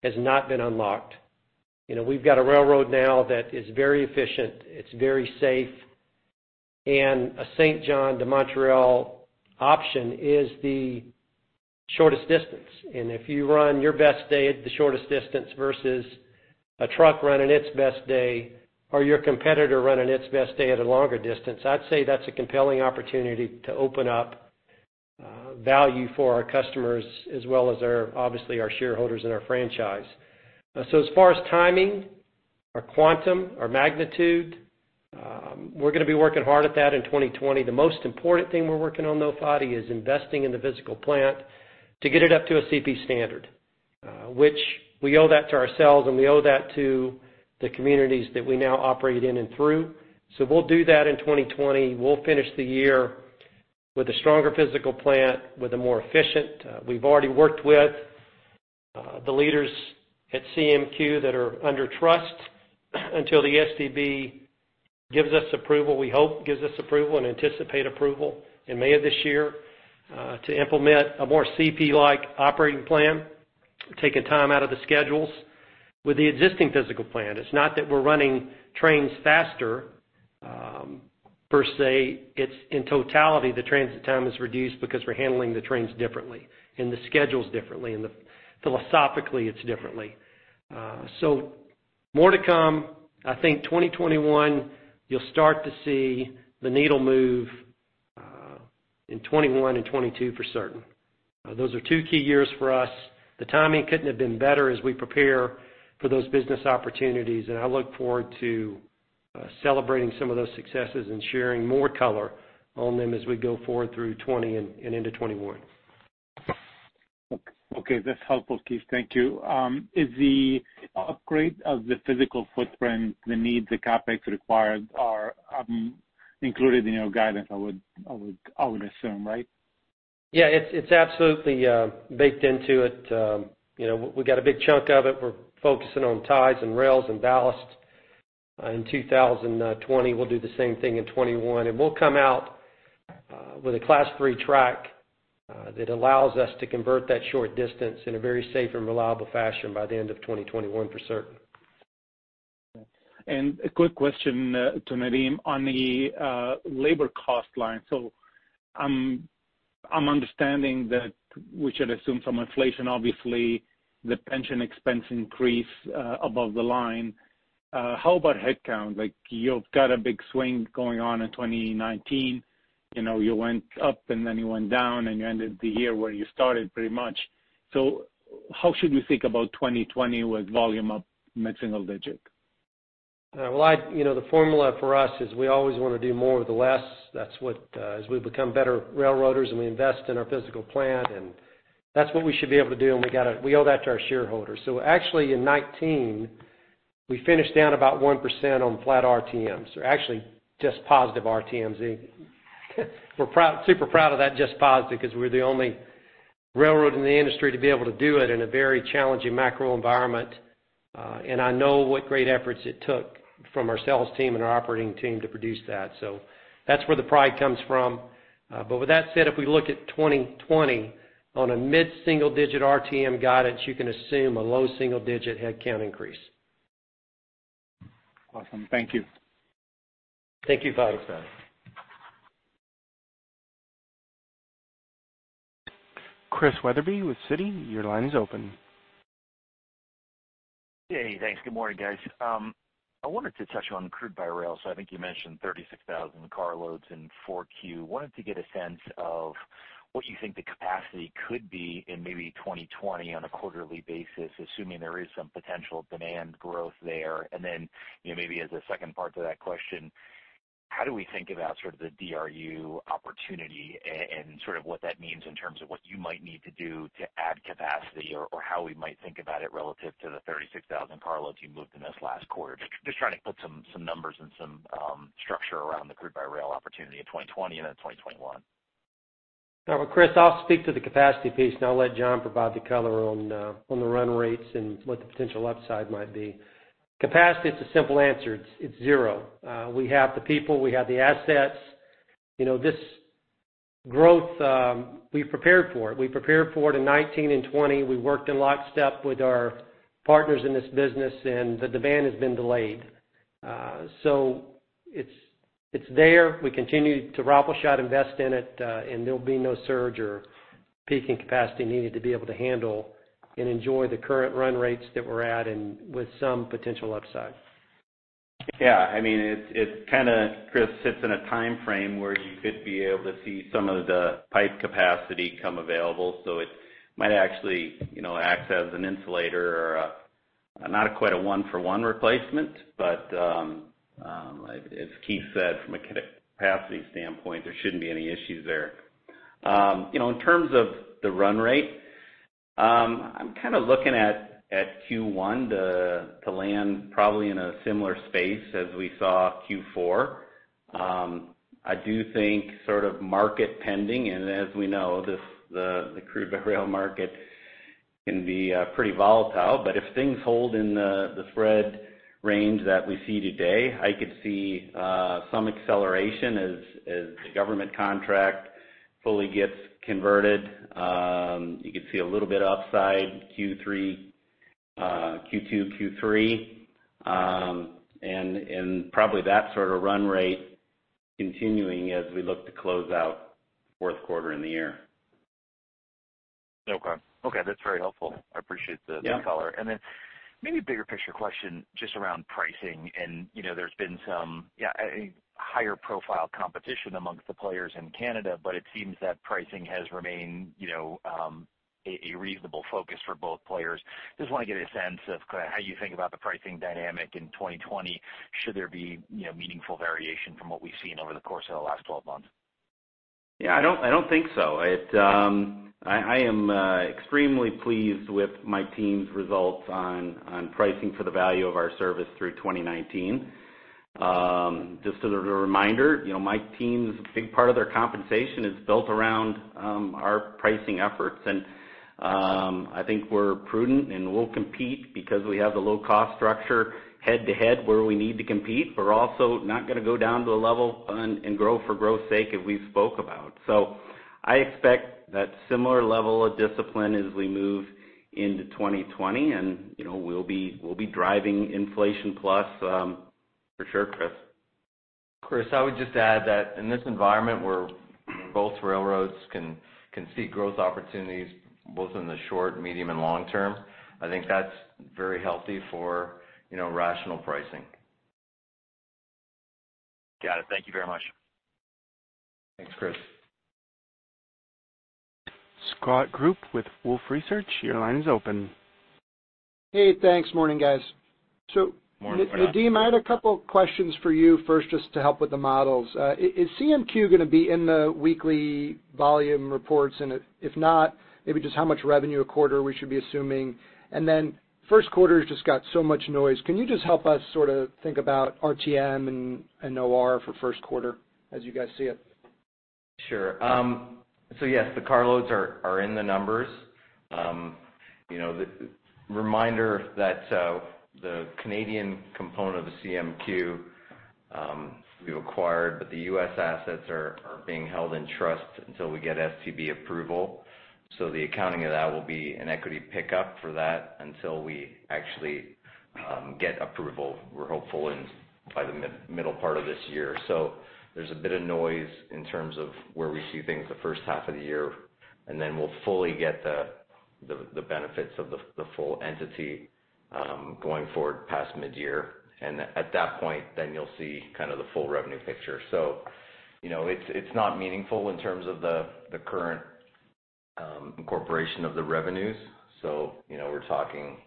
has not been unlocked. We've got a railroad now that is very efficient, it's very safe, and a Saint John to Montreal option is the shortest distance. If you run your best day at the shortest distance versus a truck running its best day or your competitor running its best day at a longer distance, I'd say that's a compelling opportunity to open up, value for our customers as well as our, obviously our shareholders and our franchise. as far as timing or quantum or magnitude, we're gonna be working hard at that in 2020. The most important thing we're working on though, Fadi, is investing in the physical plant to get it up to a CP standard, which we owe that to ourselves, and we owe that to the communities that we now operate in and through. We'll do that in 2020. We'll finish the year with a stronger physical plant, with a more efficient. We've already worked with the leaders at CMQ that are under trust until the STB gives us approval, we hope gives us approval and anticipate approval in May of this year, to implement a more CP-like operating plan, taking time out of the schedules with the existing physical plan. It's not that we're running trains faster per se. It's in totality, the transit time is reduced because we're handling the trains differently and the schedules differently, and philosophically, it's differently. More to come. I think 2021, you'll start to see the needle move in 2021 and 2022 for certain. Those are two key years for us. The timing couldn't have been better as we prepare for those business opportunities. I look forward to celebrating some of those successes and sharing more color on them as we go forward through 2020 and into 2021. Okay. That's helpful, Keith. Thank you. Is the upgrade of the physical footprint, the needs, the CapEx required are included in your guidance, I would assume, right? Yeah. It's absolutely baked into it. We got a big chunk of it. We're focusing on ties and rails and ballasts in 2020. We'll do the same thing in 2021, and we'll come out with a class 3 track that allows us to convert that short distance in a very safe and reliable fashion by the end of 2021 for certain. A quick question to Nadeem on the labor cost line. I'm understanding that we should assume some inflation, obviously, the pension expense increase above the line. How about headcount? Like you've got a big swing going on in 2019. You know, you went up and then you went down, and you ended the year where you started pretty much. How should we think about 2020 with volume up mid-single digit? Well, the formula for us is we always wanna do more with less. That's what, as we become better railroaders and we invest in our physical plant, and that's what we should be able to do, and we owe that to our shareholders. Actually in 2019, we finished down about 1% on flat RTMs, or actually just positive RTMs. We're super proud of that just positive because we're the only railroad in the industry to be able to do it in a very challenging macro environment. I know what great efforts it took from our sales team and our operating team to produce that. That's where the pride comes from. With that said, if we look at 2020 on a mid-single digit RTM guidance, you can assume a low single-digit headcount increase. Awesome. Thank you. Thank you, Fadi. Thanks, Fadi. Christian Wetherbee with Citi, your line is open. Hey, thanks. Good morning, guys. I wanted to touch on crude by rail. I think you mentioned 36,000 car loads in 4Q. Wanted to get a sense of what you think the capacity could be in maybe 2020 on a quarterly basis, assuming there is some potential demand growth there. you know, maybe as a second part to that question, how do we think about sort of the DRU opportunity and sort of what that means in terms of what you might need to do to add capacity or how we might think about it relative to the 36,000 car loads you moved in this last quarter? Just trying to put some numbers and some structure around the crude by rail opportunity in 2020 and in 2021. Chris, I'll speak to the capacity piece, and I'll let John provide the color on the run rates and what the potential upside might be. Capacity, it's a simple answer. It's zero. We have the people. We have the assets. You know, this growth, we prepared for it. We prepared for it in 19 and 20. We worked in lockstep with our partners in this business, the demand has been delayed. It's there. We continue to rifle shot invest in it, there'll be no surge or peaking capacity needed to be able to handle and enjoy the current run rates that we're at and with some potential upside. Yeah. I mean, it kinda, Chris, sits in a timeframe where you could be able to see some of the pipe capacity come available. It might actually, you know, act as an insulator or not quite a one for one replacement, but as Keith said, from a capacity standpoint, there shouldn't be any issues there. You know, in terms of the run rate, I'm kind of looking at Q1 to land probably in a similar space as we saw Q4. I do think sort of market pending, as we know, the crude by rail market can be pretty volatile. If things hold in the spread range that we see today, I could see some acceleration as the government contract fully gets converted. You could see a little bit upside Q3, Q2, Q3, and probably that sort of run rate continuing as we look to close out fourth quarter in the year. Okay. Okay, that's very helpful. I appreciate the color. Yeah. Maybe a bigger picture question just around pricing. You know, there's been some a higher profile competition amongst the players in Canada, but it seems that pricing has remained, you know, a reasonable focus for both players. Just want to get a sense of kind of how you think about the pricing dynamic in 2020. Should there be, you know, meaningful variation from what we've seen over the course of the last 12 months? I don't think so. I am extremely pleased with my team's results on pricing for the value of our service through 2019. Just as a reminder, my team's big part of their compensation is built around our pricing efforts. I think we're prudent, and we'll compete because we have the low cost structure head to head where we need to compete. We're also not going to go down to the level and grow for growth's sake as we spoke about. I expect that similar level of discipline as we move into 2020 and we'll be driving inflation plus, for sure, Chris. Chris, I would just add that in this environment where both railroads can see growth opportunities both in the short, medium, and long term, I think that's very healthy for, you know, rational pricing. Got it. Thank you very much. Thanks, Chris. Scott Group with Wolfe Research, your line is open. Hey, thanks. Morning, guys. Morning, Scott. Nadeem, I had a couple questions for you first, just to help with the models. Is CMQ gonna be in the weekly volume reports? If not, maybe just how much revenue a quarter we should be assuming. First quarter's just got so much noise. Can you just help us sorta think about RTM and OR for first quarter as you guys see it? Sure. Yes, the car loads are in the numbers. The reminder that the Canadian component of the CMQ we acquired, but the U.S. assets are being held in trust until we get STB approval. The accounting of that will be an equity pickup for that until we actually get approval. We're hopeful in by the middle part of this year. There's a bit of noise in terms of where we see things the first half of the year, and then we'll fully get the benefits of the full entity going forward past midyear. At that point then you'll see kind of the full revenue picture. It's not meaningful in terms of the current incorporation of the revenues. You know, we're talking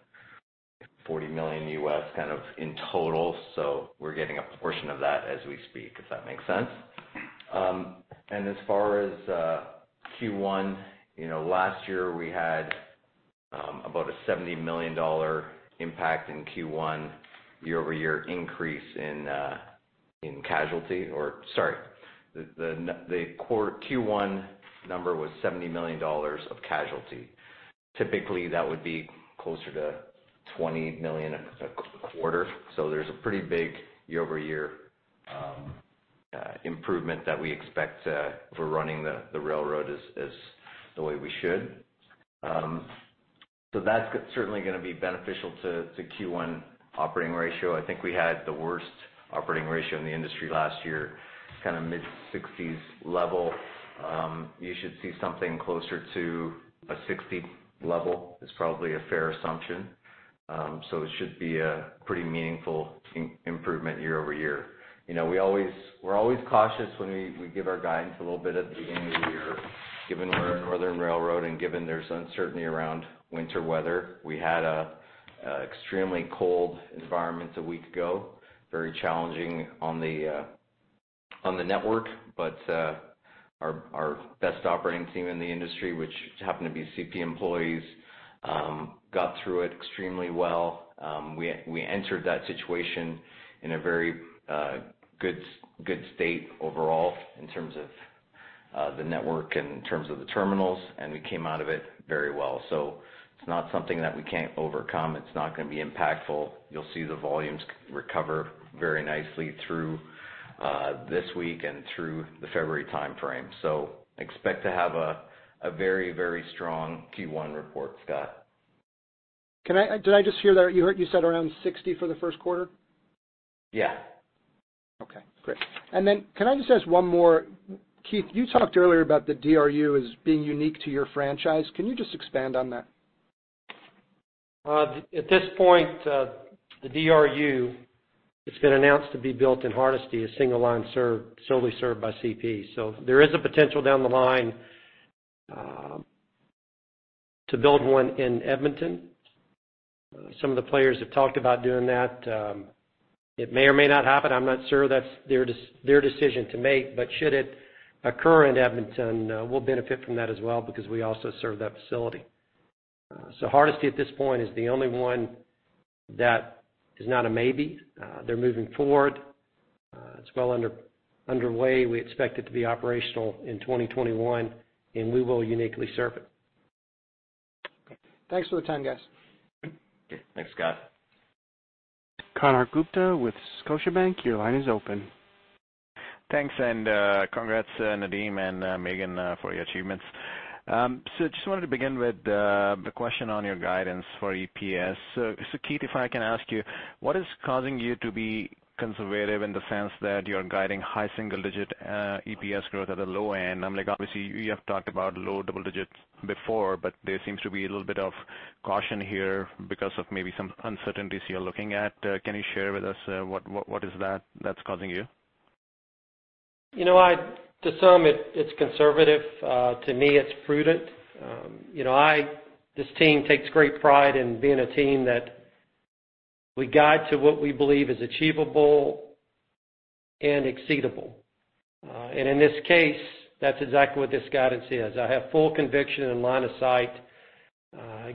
$40 million U.S. kind of in total, so we're getting a portion of that as we speak, if that makes sense. As far as Q1, you know, last year we had about a $70 million impact in Q1 year-over-year increase in casualty or sorry. The Q1 number was $70 million of casualty. Typically, that would be closer to $20 million a quarter. There's a pretty big year-over-year improvement that we expect if we're running the railroad as the way we should. That's certainly gonna be beneficial to Q1 operating ratio. I think we had the worst operating ratio in the industry last year, kinda mid-sixties level. You should see something closer to a 60 level is probably a fair assumption. It should be a pretty meaningful improvement year-over-year. You know, we're always cautious when we give our guidance a little bit at the beginning of the year, given we're a northern railroad and given there's uncertainty around winter weather. We had a extremely cold environment a week ago, very challenging on the network. Our best operating team in the industry, which happen to be CP employees, got through it extremely well. We entered that situation in a very good state overall in terms of the network and in terms of the terminals, and we came out of it very well. It's not something that we can't overcome. It's not gonna be impactful. You'll see the volumes recover very nicely through this week and through the February timeframe. expect to have a very strong Q1 report, Scott. Did I just hear that you said around 60 for the first quarter? Yeah. Okay, great. Can I just ask one more? Keith, you talked earlier about the DRU as being unique to your franchise. Can you just expand on that? At this point, the DRU, it's been announced to be built in Hardisty, a single line served solely by CP. There is a potential down the line to build one in Edmonton. Some of the players have talked about doing that. It may or may not happen. I'm not sure. That's their decision to make. Should it occur in Edmonton, we'll benefit from that as well because we also serve that facility. Hardisty at this point is the only one that is not a maybe. They're moving forward. It's well under way. We expect it to be operational in 2021, and we will uniquely serve it. Okay. Thanks for the time, guys. Thanks, Scott. Konark Gupta with Scotiabank, your line is open. Thanks and, congrats, Nadeem and, Maeghan, for your achievements. Just wanted to begin with the question on your guidance for EPS. Keith, if I can ask you, what is causing you to be conservative in the sense that you're guiding high single digit EPS growth at the low end? I mean, like, obviously you have talked about low double digits before, but there seems to be a little bit of caution here because of maybe some uncertainties you're looking at. Can you share with us, what is that that's causing you? You know, to some it's conservative, to me it's prudent. You know, this team takes great pride in being a team that we guide to what we believe is achievable and exceedable. In this case, that's exactly what this guidance is. I have full conviction and line of sight,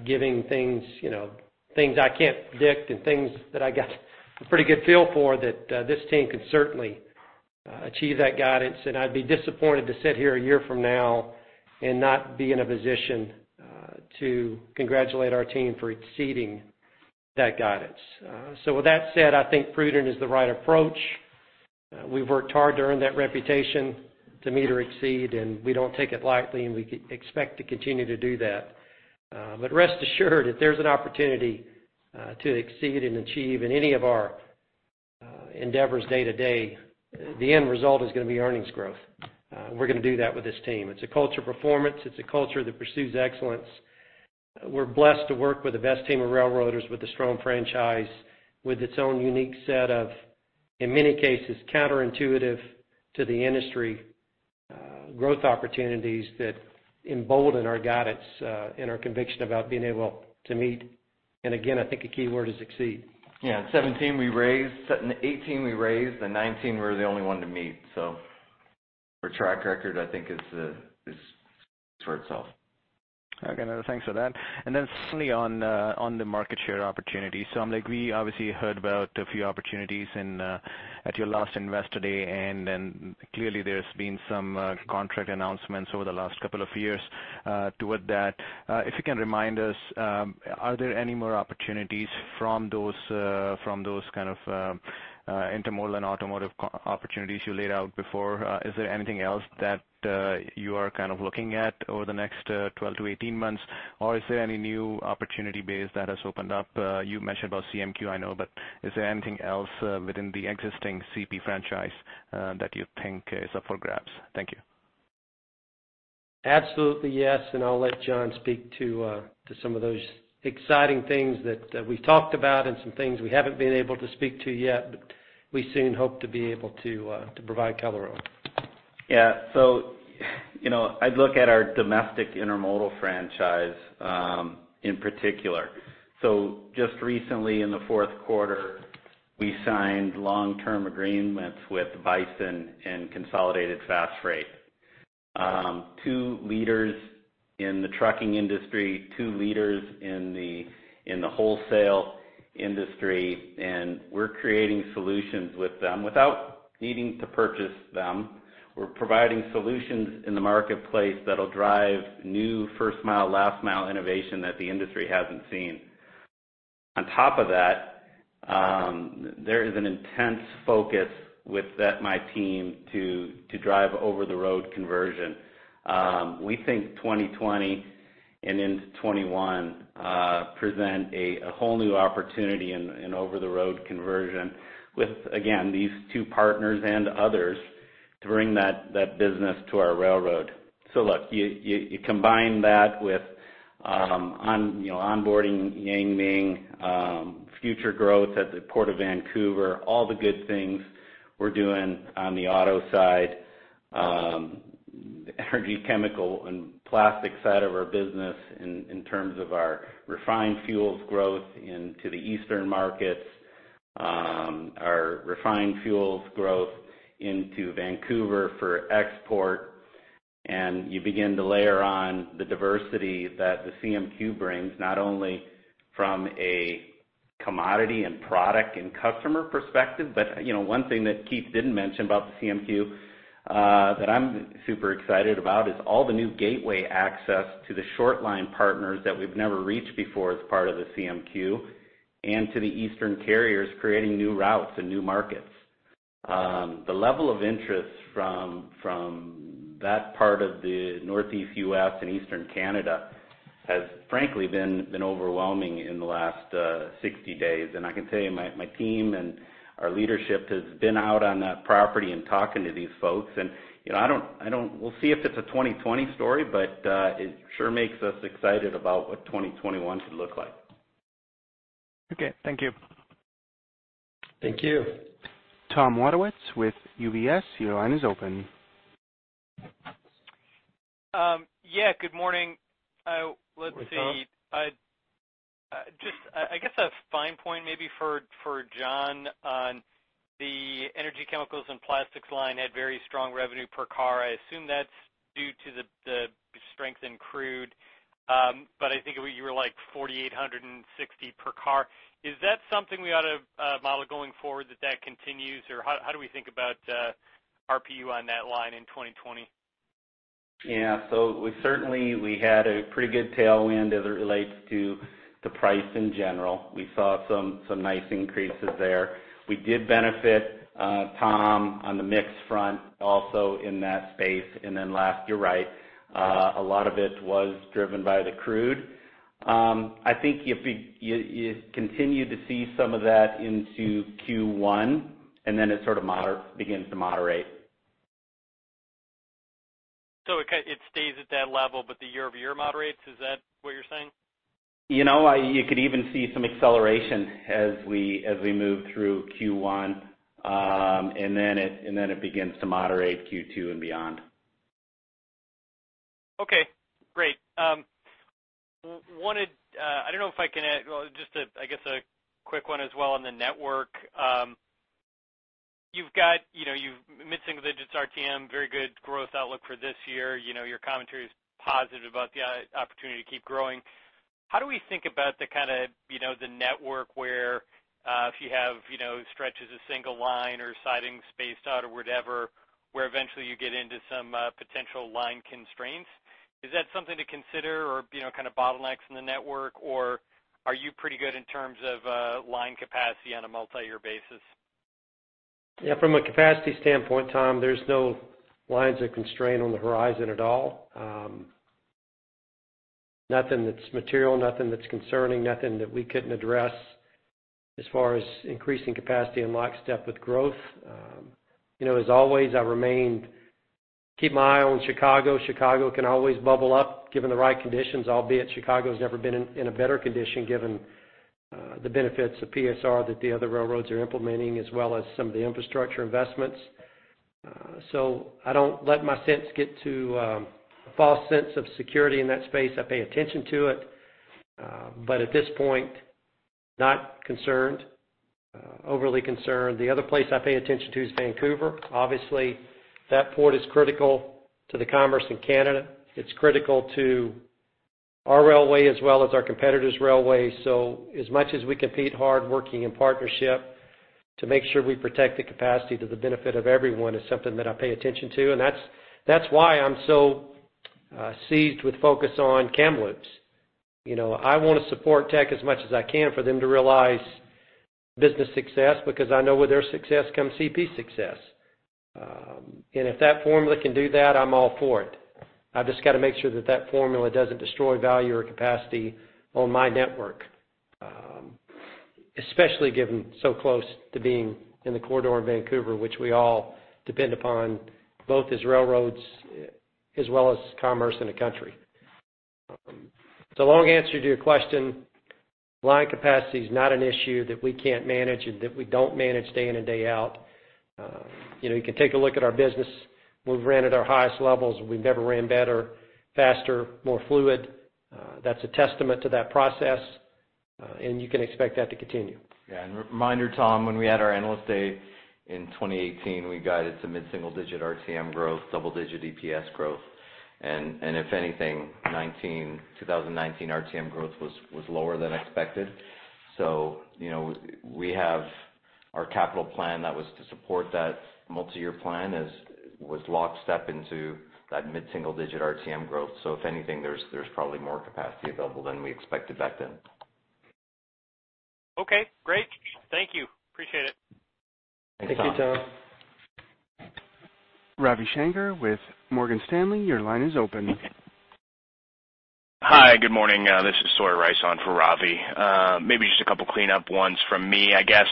giving things, you know, things I can't predict and things that I got a pretty good feel for that, this team could certainly, achieve that guidance. I'd be disappointed to sit here a year from now and not be in a position, to congratulate our team for exceeding that guidance. With that said, I think prudent is the right approach. We've worked hard to earn that reputation, to meet or exceed, and we don't take it lightly, and we expect to continue to do that. Rest assured that there's an opportunity to exceed and achieve in any of our endeavors day to day. The end result is gonna be earnings growth. We're gonna do that with this team. It's a culture of performance. It's a culture that pursues excellence. We're blessed to work with the best team of railroaders with a strong franchise, with its own unique set of, in many cases, counterintuitive to the industry, growth opportunities that embolden our guidance, and our conviction about being able to meet. I think a key word is exceed. Yeah. In 2017, we raised, in 2018, we raised, and 2019 we were the only one to meet. Our track record, I think is for itself. Okay. No, thanks for that. Then secondly on the market share opportunity. I'm like, we obviously heard about a few opportunities in at your last Investor Day, and then clearly there's been some contract announcements over the last couple of years toward that. If you can remind us, are there any more opportunities from those kind of intermodal and automotive opportunities you laid out before? Is there anything else that you are kind of looking at over the next 12-18 months, or is there any new opportunity base that has opened up? You mentioned about CMQ, I know, but is there anything else within the existing CP franchise that you think is up for grabs? Thank you. Absolutely, yes. I'll let John speak to some of those exciting things that we've talked about and some things we haven't been able to speak to yet, but we soon hope to be able to provide color on. You know, I'd look at our domestic intermodal franchise in particular. Just recently in the fourth quarter, we signed long-term agreements with Bison and Consolidated Fastfrate, two leaders in the trucking industry, two leaders in the wholesale industry, and we're creating solutions with them without needing to purchase them. We're providing solutions in the marketplace that'll drive new first mile, last mile innovation that the industry hasn't seen. On top of that, there is an intense focus with that, my team to drive over the road conversion. We think 2020 and into 2021 present a whole new opportunity in over the road conversion with, again, these two partners and others to bring that business to our railroad. look, you combine that with, you know, onboarding Yang Ming, future growth at the Port of Vancouver, all the good things we're doing on the auto side, energy, chemical and plastic side of our business in terms of our refined fuels growth into the eastern markets, our refined fuels growth into Vancouver for export. you begin to layer on the diversity that the CMQ brings, not only from a commodity and product and customer perspective, but, you know, one thing that Keith didn't mention about the CMQ, that I'm super excited about is all the new gateway access to the short line partners that we've never reached before as part of the CMQ and to the eastern carriers creating new routes and new markets. the level of interest from that part of the Northeast U.S. and Eastern Canada has frankly been overwhelming in the last 60 days. I can tell you my team and our leadership has been out on that property and talking to these folks. You know, I don't. We'll see if it's a 2020 story, but it sure makes us excited about what 2021 could look like. Okay. Thank you. Thank you. Tom Wadewitz with UBS, your line is open. yeah, good morning. let's see. Hi, Tom. Just, I guess a fine point maybe for John on the energy, chemicals, and plastics line had very strong revenue per car. I assume that's due to the strength in crude. I think it, you were like 4,860 per car. Is that something we ought to model going forward that continues? How do we think about RPU on that line in 2020? We had a pretty good tailwind as it relates to the price in general. We saw some nice increases there. We did benefit, Tom, on the mix front also in that space. Last, you're right, a lot of it was driven by the crude. I think if you continue to see some of that into Q1, and then it sort of begins to moderate. It stays at that level, but the year-over-year moderates, is that what you're saying? You know, you could even see some acceleration as we move through Q1. It begins to moderate Q2 and beyond. Okay, great. Well, just a, I guess, a quick one as well on the network. You've got, you know, you've mid-single digits RTM, very good growth outlook for this year. You know, your commentary is positive about the opportunity to keep growing. How do we think about the kind of, the network where, if you have stretches of single line or sidings spaced out or whatever, where eventually you get into some potential line constraints? Is that something to consider or kind of bottlenecks in the network, or are you pretty good in terms of line capacity on a multi-year basis? Yeah, from a capacity standpoint, Tom, there's no lines of constraint on the horizon at all. Nothing that's material, nothing that's concerning, nothing that we couldn't address as far as increasing capacity in lockstep with growth. You know, as always, I keep my eye on Chicago. Chicago can always bubble up given the right conditions, albeit Chicago has never been in a better condition given the benefits of PSR that the other railroads are implementing, as well as some of the infrastructure investments. I don't let my sense get to a false sense of security in that space. I pay attention to it. At this point, not overly concerned. The other place I pay attention to is Vancouver. Obviously, that port is critical to the commerce in Canada. It's critical to our railway as well as our competitor's railway. As much as we compete hard working in partnership to make sure we protect the capacity to the benefit of everyone is something that I pay attention to. That's why I'm so seized with focus on Kamloops. You know, I wanna support Teck as much as I can for them to realize business success because I know with their success comes CP success. If that formula can do that, I'm all for it. I've just got to make sure that that formula doesn't destroy value or capacity on my network, especially given so close to being in the corridor of Vancouver, which we all depend upon both as railroads as well as commerce in the country. Long answer to your question, line capacity is not an issue that we can't manage and that we don't manage day in and day out. You can take a look at our business. We've ran at our highest levels, and we've never ran better, faster, more fluid. That's a testament to that process, and you can expect that to continue. Reminder, Tom, when we had our Analyst Day in 2018, we guided some mid-single digit RTM growth, double-digit EPS growth. If anything, 2019 RTM growth was lower than expected. We have our capital plan that was to support that multi-year plan as was lockstep into that mid-single digit RTM growth. If anything, there's probably more capacity available than we expected back then. Okay, great. Thank you. Appreciate it. Thanks, Tom. Thank you, Tom. Ravi Shanker with Morgan Stanley, your line is open. Hi, good morning. This is Sawyer Rice on for Ravi. Maybe just a couple clean up ones from me. I guess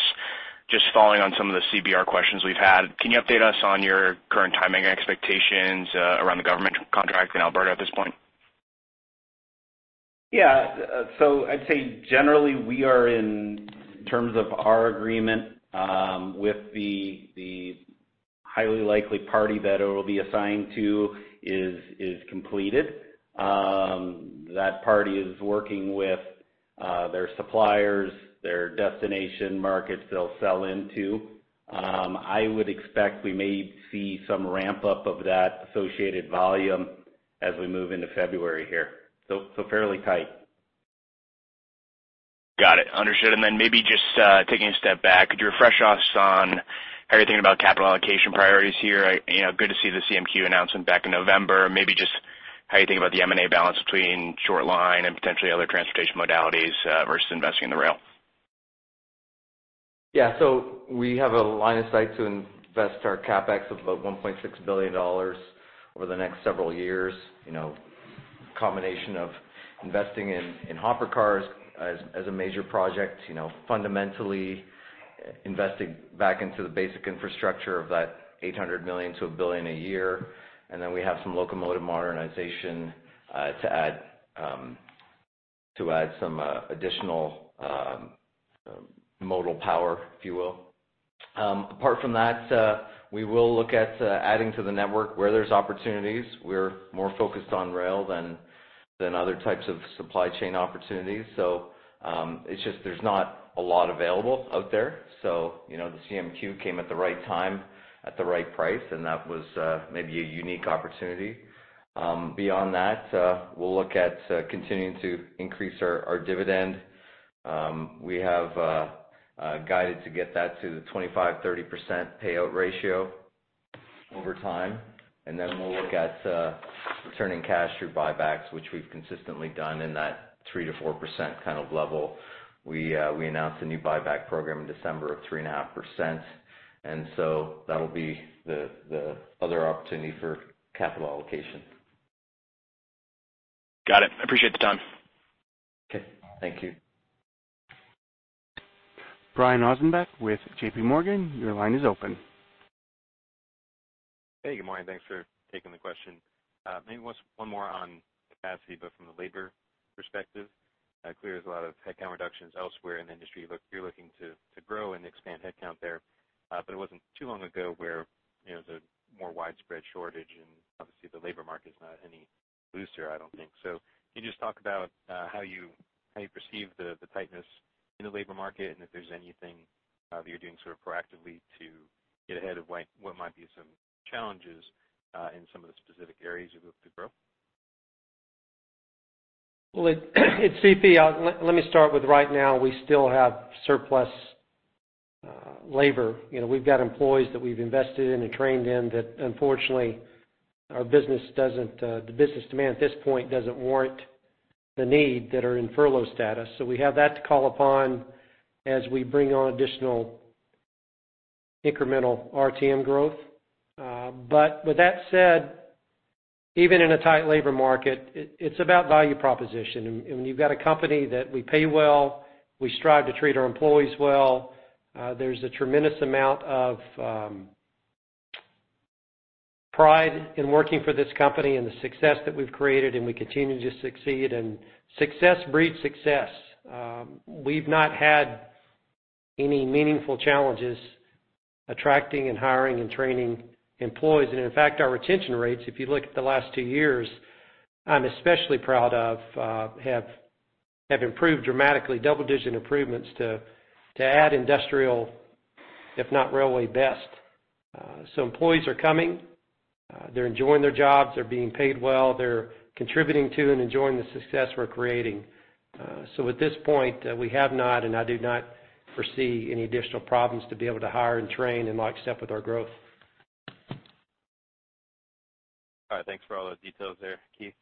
just following on some of the CBR questions we've had. Can you update us on your current timing expectations, around the government contract in Alberta at this point? Yeah. I'd say generally we are in terms of our agreement with the highly likely party that it will be assigned to is completed. That party is working with their suppliers, their destination markets they'll sell into. I would expect we may see some ramp-up of that associated volume as we move into February here. Fairly tight. Got it. Understood. Maybe just taking a step back, could you refresh us on how you're thinking about capital allocation priorities here? Good to see the CMQ announcement back in November. Maybe just how you think about the M&A balance between short line and potentially other transportation modalities versus investing in the rail. Yeah. We have a line of sight to invest our CapEx of about 1.6 billion dollars over the next several years. You know, combination of investing in hopper cars as a major project, you know, fundamentally investing back into the basic infrastructure of that 800 million-1 billion a year. We have some locomotive modernization to add some additional modal power, if you will. Apart from that, we will look at adding to the network where there's opportunities. We're more focused on rail than other types of supply chain opportunities. It's just there's not a lot available out there. The CMQ came at the right time at the right price, and that was maybe a unique opportunity. Beyond that, we'll look at continuing to increase our dividend. We have guided to get that to the 25%-30% payout ratio over time. We'll look at returning cash through buybacks, which we've consistently done in that 3%-4% kind of level. We announced a new buyback program in December of 3.5%, and so that'll be the other opportunity for capital allocation. Got it. I appreciate the time. Okay. Thank you. Brian Ossenbeck with JPMorgan, your line is open. Hey, good morning. Thanks for taking the question. Maybe one more on capacity, but from the labor perspective. Clear there's a lot of headcount reductions elsewhere in the industry. Look, you're looking to grow and expand headcount there. It wasn't too long ago where the more widespread shortage and obviously the labor market is not any looser, I don't think. Can you just talk about how you perceive the tightness in the labor market, and if there's anything that you're doing sort of proactively to get ahead of what might be some challenges in some of the specific areas you look to grow? Well, it's CP. Let me start with right now, we still have surplus labor. You know, we've got employees that we've invested in and trained in that unfortunately our business doesn't the business demand at this point doesn't warrant the need that are in furlough status. We have that to call upon as we bring on additional incremental RTM growth. With that said, even in a tight labor market, it's about value proposition. You've got a company that we pay well, we strive to treat our employees well. There's a tremendous amount of pride in working for this company and the success that we've created, and we continue to succeed. Success breeds success. We've not had any meaningful challenges attracting and hiring and training employees. In fact, our retention rates, if you look at the last two years, I'm especially proud of, have improved dramatically, double-digit improvements to add industrial, if not railway best. Employees are coming, they're enjoying their jobs, they're being paid well, they're contributing to and enjoying the success we're creating. At this point, we have not and I do not foresee any additional problems to be able to hire and train and lock step with our growth. All right. Thanks for all those details there, Keith.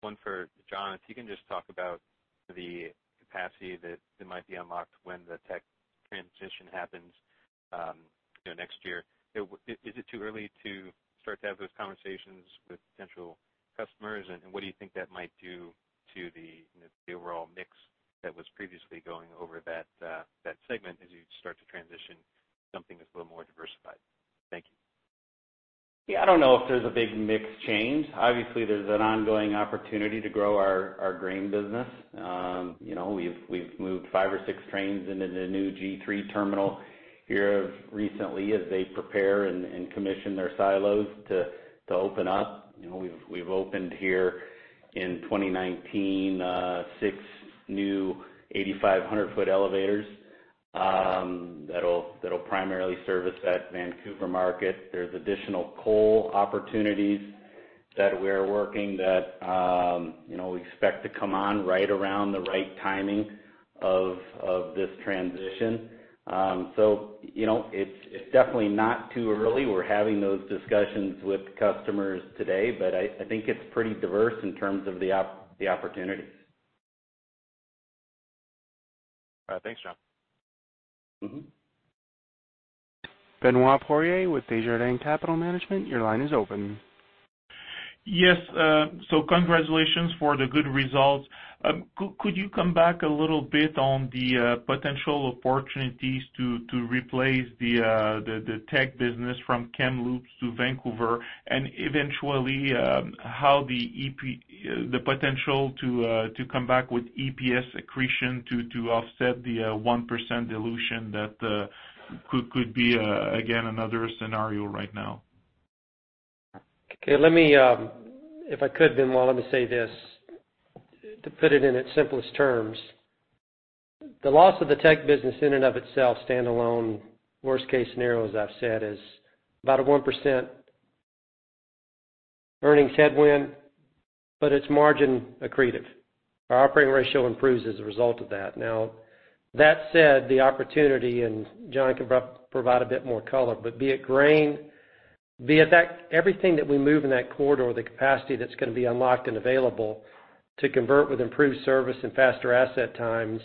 One for John. If you can just talk about the capacity that might be unlocked when the Teck transition happens next year. Is it too early to start to have those conversations with potential customers? What do you think that might do to the, you know, the overall mix that was previously going over that segment as you start to transition something that's a little more diversified? Thank you. Yeah, I don't know if there's a big mix change. Obviously, there's an ongoing opportunity to grow our grain business. We've moved five or six trains into the new G3 terminal here recently as they prepare and commission their silos to open up. You know, we've opened here in 2019, six new 8,500-foot elevators that'll primarily service that Vancouver market. There's additional coal opportunities that we're working that, you know, we expect to come on right around the right timing of this transition. It's definitely not too early. We're having those discussions with customers today, but I think it's pretty diverse in terms of the opportunities. All right. Thanks, John. Benoit Poirier with Desjardins Capital Management, your line is open. Yes. Congratulations for the good results. Could you come back a little bit on the Teck business from Kamloops to Vancouver, and eventually, how the potential to come back with EPS accretion to offset the 1% dilution that could be again another scenario right now? Okay, let me, if I could, Benoit, let me say this, to put it in its simplest terms. The loss of the Teck business in and of itself, standalone, worst case scenario, as I've said, is about a 1% earnings headwind, but it's margin accretive. Our operating ratio improves as a result of that. Now, that said, the opportunity, and John can provide a bit more color, but be it grain, be it that everything that we move in that corridor, the capacity that's gonna be unlocked and available to convert with improved service and faster asset times,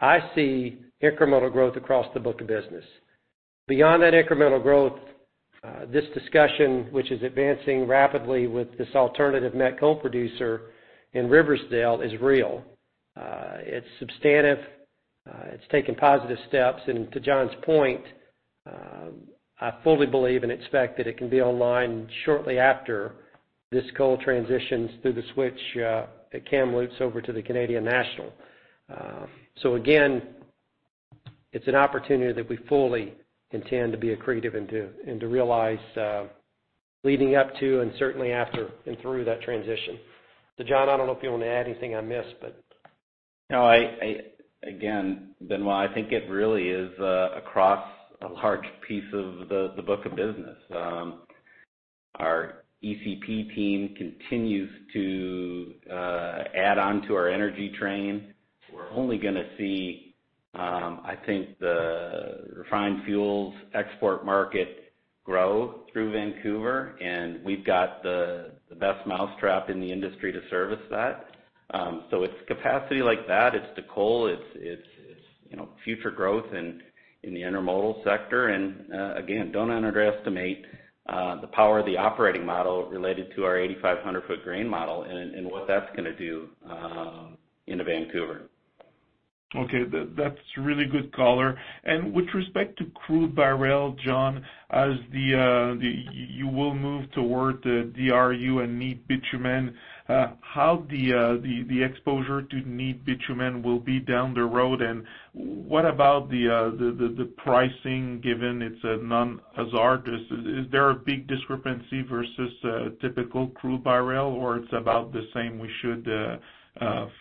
I see incremental growth across the book of business. Beyond that incremental growth, this discussion, which is advancing rapidly with this alternative met coal producer in Riversdale, is real. It's substantive. It's taken positive steps. to John's point, I fully believe and expect that it can be online shortly after this coal transitions through the switch at Kamloops over to the Canadian National. Again, it's an opportunity that we fully intend to be accretive and to realize leading up to and certainly after and through that transition. John, I don't know if you want to add anything I missed, but No, again, Benoit, I think it really is across a large piece of the book of business. Our ECP team continues to add on to our energy train. We're only gonna see, I think the refined fuels export market grow through Vancouver, and we've got the best mousetrap in the industry to service that. It's capacity like that, it's the coal, it's future growth in the intermodal sector. Again, don't underestimate the power of the operating model related to our 8,500 foot grain model and what that's gonna do into Vancouver. Okay. That's really good color. With respect to crude by rail, John, as you will move toward the DRU and neat bitumen, how the exposure to neat bitumen will be down the road? What about the pricing given it's a non-hazard? Is there a big discrepancy versus a typical crude by rail, or it's about the same we should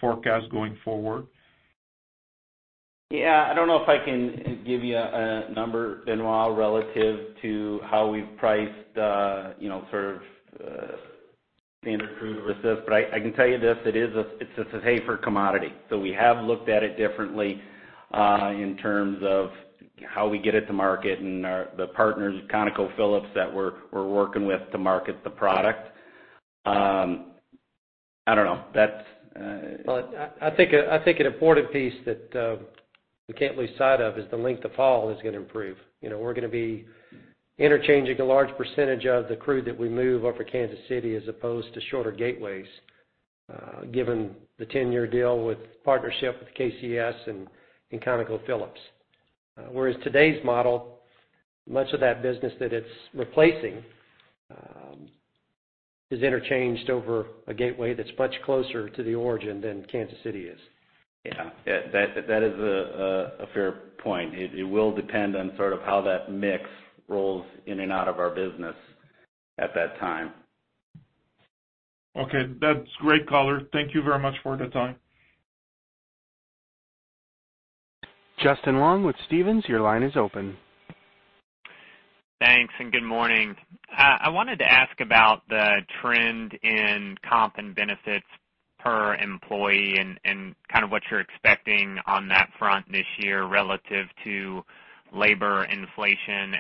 forecast going forward? Yeah. I don't know if I can give you a number, Benoit, relative to how we've priced, you know, sort of standard crude versus this. I can tell you this, it's a safer commodity. We have looked at it differently in terms of how we get it to market and the partners, ConocoPhillips, that we're working with to market the product. I don't know. Well, I think an important piece that we can't lose sight of is the length of haul is gonna improve. We're gonna be interchanging a large percentage of the crude that we move up at Kansas City as opposed to shorter gateways, given the 10-year deal with partnership with KCS and ConocoPhillips. Whereas today's model, much of that business that it's replacing, is interchanged over a gateway that's much closer to the origin than Kansas City is. Yeah. Yeah. That is a fair point. It will depend on sort of how that mix rolls in and out of our business at that time. Okay. That's great color. Thank you very much for the time. Justin Long with Stephens, your line is open. Thanks, good morning. I wanted to ask about the trend in comp and benefits per employee and kind of what you're expecting on that front this year relative to labor inflation.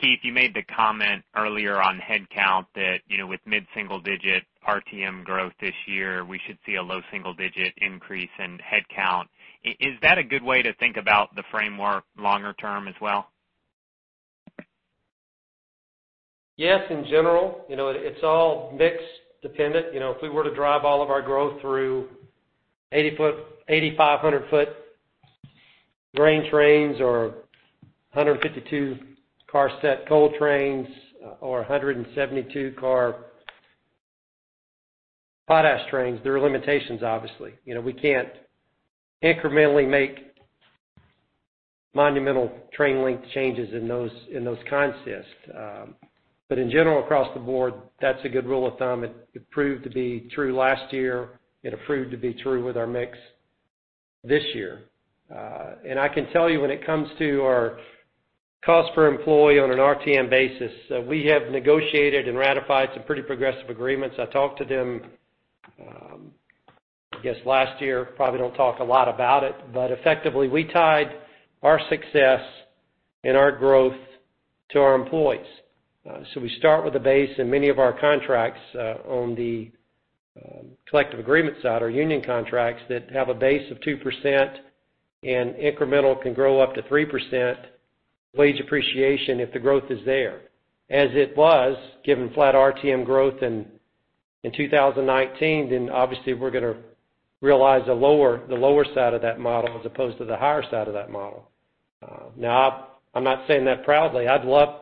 Keith, you made the comment earlier on headcount that, you know, with mid-single digit RTM growth this year, we should see a low-single digit increase in headcount. Is that a good way to think about the framework longer term as well? Yes, in general. It's all mix dependent. If we were to drive all of our growth through 8,500 foot grain trains or 152 car set coal trains or 172 car potash trains, there are limitations obviously. We can't incrementally make monumental train length changes in those consist. In general, across the board, that's a good rule of thumb. It proved to be true last year. It proved to be true with our mix this year. I can tell you when it comes to our cost per employee on an RTM basis, we have negotiated and ratified some pretty progressive agreements. I talked to them, I guess last year, probably don't talk a lot about it. Effectively, we tied our success and our growth to our employees. We start with a base in many of our contracts, on the collective agreement side or union contracts that have a base of 2% and incremental can grow up to 3% wage appreciation if the growth is there. As it was given flat RTM growth in 2019, obviously we're gonna realize the lower side of that model as opposed to the higher side of that model. Now I'm not saying that proudly. I'd love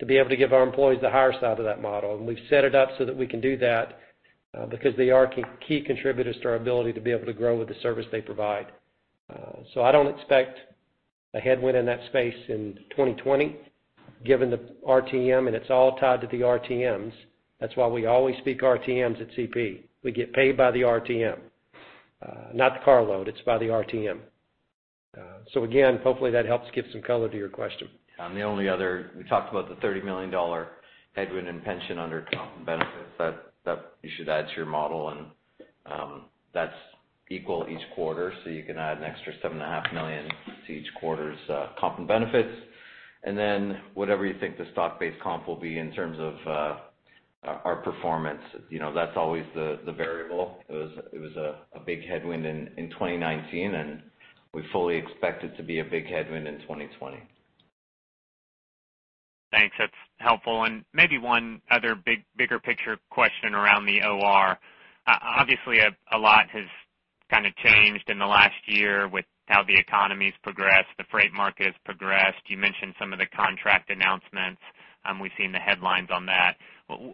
to be able to give our employees the higher side of that model, and we've set it up so that we can do that because they are key contributors to our ability to be able to grow with the service they provide. I don't expect a headwind in that space in 2020, given the RTM, and it's all tied to the RTMs. That's why we always speak RTMs at CP. We get paid by the RTM, not the carload, it's by the RTM. Again, hopefully that helps give some color to your question. The only other, we talked about the 30 million dollar headwind in pension under comp and benefits that you should add to your model. That's equal each quarter, so you can add an extra 7.5 million to each quarter's comp and benefits. Whatever you think the stock-based comp will be in terms of our performance. You know, that's always the variable. It was a big headwind in 2019, and we fully expect it to be a big headwind in 2020. Thanks. That's helpful. Maybe one other bigger picture question around the OR. Obviously a lot has kind of changed in the last year with how the economy's progressed, the freight market has progressed. You mentioned some of the contract announcements. We've seen the headlines on that.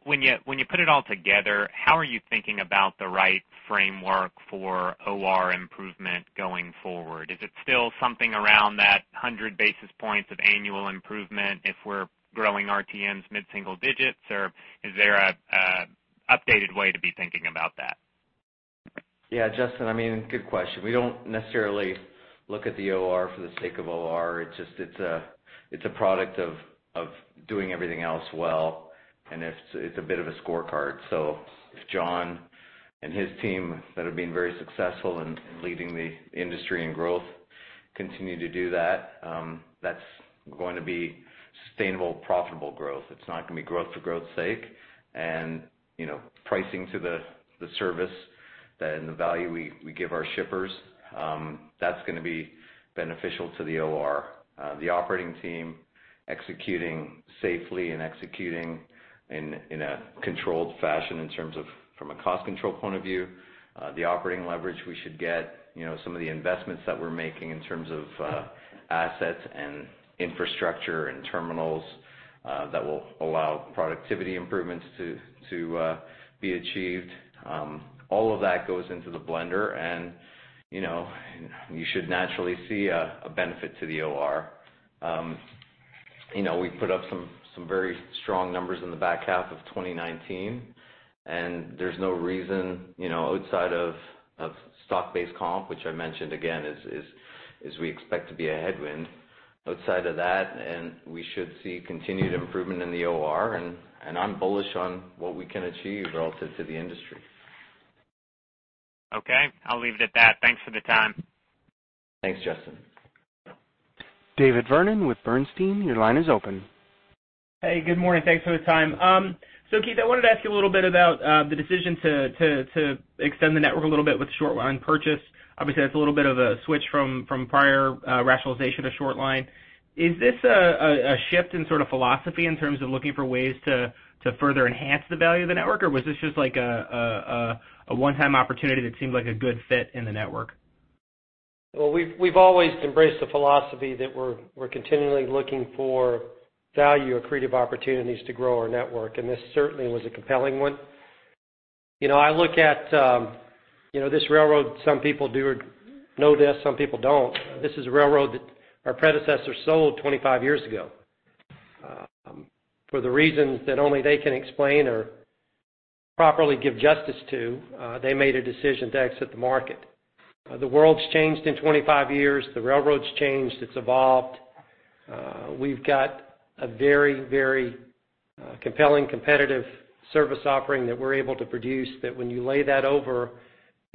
When you put it all together, how are you thinking about the right framework for OR improvement going forward? Is it still something around that 100 basis points of annual improvement if we're growing RTMs mid-single digits, or is there a updated way to be thinking about that? Justin, I mean, good question. We don't necessarily look at the OR for the sake of OR. It's just, it's a product of doing everything else well, and it's a bit of a scorecard. If John and his team that have been very successful in leading the industry in growth continue to do that's going to be sustainable, profitable growth. It's not gonna be growth for growth's sake. You know, pricing to the service that and the value we give our shippers, that's gonna be beneficial to the OR. The operating team executing safely and executing in a controlled fashion in terms of from a cost control point of view. The operating leverage we should get, you know, some of the investments that we're making in terms of assets and infrastructure and terminals that will allow productivity improvements to be achieved. All of that goes into the blender and, you know, you should naturally see a benefit to the OR. You know, we put up some very strong numbers in the back half of 2019, and there's no reason, you know, outside of stock-based comp, which I mentioned again is we expect to be a headwind. Outside of that, we should see continued improvement in the OR and I'm bullish on what we can achieve relative to the industry. Okay. I'll leave it at that. Thanks for the time. Thanks, Justin. David Vernon with Bernstein, your line is open. Hey, good morning. Thanks for the time. Keith, I wanted to ask you a little bit about the decision to extend the network a little bit with short line purchase. Obviously, that's a little bit of a switch from prior rationalization to short line. Is this a shift in sort of philosophy in terms of looking for ways to further enhance the value of the network? Or was this just like a one-time opportunity that seemed like a good fit in the network? Well, we've always embraced the philosophy that we're continually looking for value accretive opportunities to grow our network, and this certainly was a compelling one. You know, I look at, you know, this railroad, some people do know this, some people don't. This is a railroad that our predecessor sold 25 years ago. For the reasons that only they can explain or properly give justice to, they made a decision to exit the market. The world's changed in 25 years. The railroad's changed. It's evolved. We've got a very compelling competitive service offering that we're able to produce that when you lay that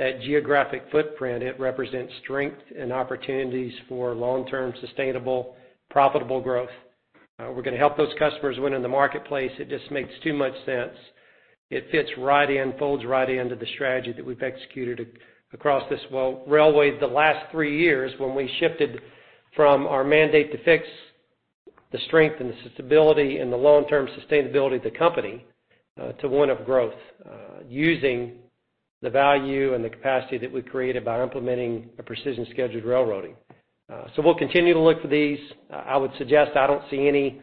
over that geographic footprint, it represents strength and opportunities for long-term sustainable, profitable growth. We're gonna help those customers win in the marketplace. It just makes too much sense. It fits right in, folds right into the strategy that we've executed across this railway the last three years when we shifted from our mandate to fix the strength and the stability and the long-term sustainability of the company, to one of growth, using the value and the capacity that we created by implementing a precision scheduled railroading. We'll continue to look for these. I would suggest I don't see any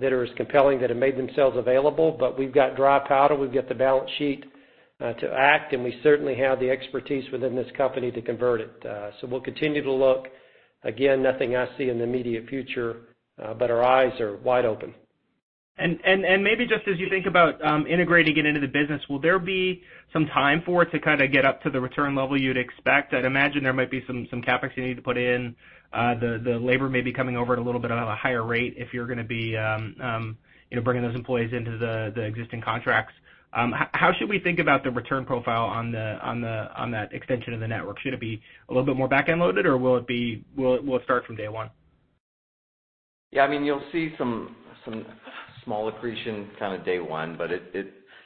that are as compelling that have made themselves available, but we've got dry powder, we've got the balance sheet to act, and we certainly have the expertise within this company to convert it. We'll continue to look. Again, nothing I see in the immediate future, but our eyes are wide open. Maybe just as you think about integrating it into the business, will there be some time for it to kind of get up to the return level you'd expect? I'd imagine there might be some CapEx you need to put in. The labor may be coming over at a little bit of a higher rate if you're gonna be, you know, bringing those employees into the existing contracts. How should we think about the return profile on that extension of the network? Should it be a little bit more backend loaded, or will it start from day one? Yeah, I mean, you'll see some small accretion kind of day one, but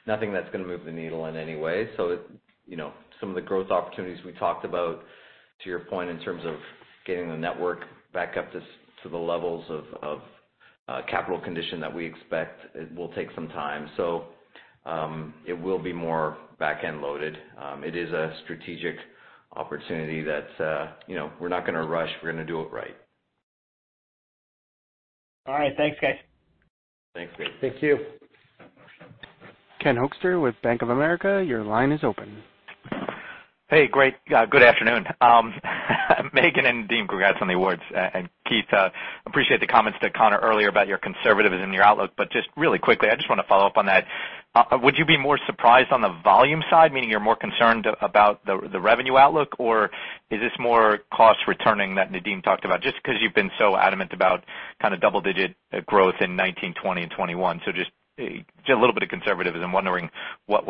nothing that's gonna move the needle in any way. It, you know, some of the growth opportunities we talked about, to your point, in terms of getting the network back up to the levels of capital condition that we expect, it will take some time. It will be more backend loaded. It is a strategic opportunity that, you know, we're not gonna rush. We're gonna do it right. All right. Thanks, guys. Thanks, David. Thank you. Ken Hoexter with Bank of America, your line is open. Hey, great. Good afternoon. Maeghan and Nadeem, congrats on the awards. Keith, appreciate the comments to Konark earlier about your conservatism in your outlook. Just really quickly, I just wanna follow up on that. Would you be more surprised on the volume side, meaning you're more concerned about the revenue outlook, or is this more cost returning that Nadeem talked about? Just 'cause you've been so adamant about kind of double-digit growth in 2019, 2020 and 2021. Just a little bit of conservatism, wondering what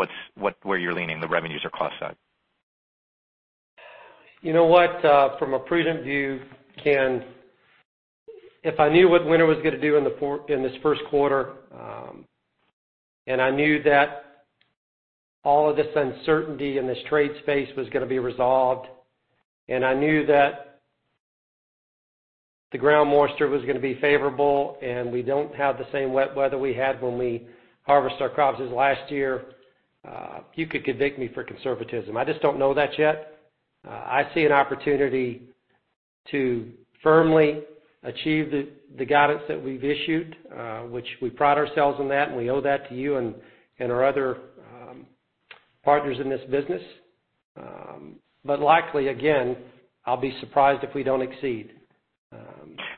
you're leaning, the revenues or cost side. You know what, from a prudent view, Ken, if I knew what winter was gonna do in this first quarter, and I knew that all of this uncertainty in this trade space was gonna be resolved, and I knew that the ground moisture was gonna be favorable and we don't have the same wet weather we had when we harvested our crops as last year, you could convict me for conservatism. I just don't know that yet. I see an opportunity to firmly achieve the guidance that we've issued, which we pride ourselves on that, and we owe that to you and our other partners in this business. Likely, again, I'll be surprised if we don't exceed.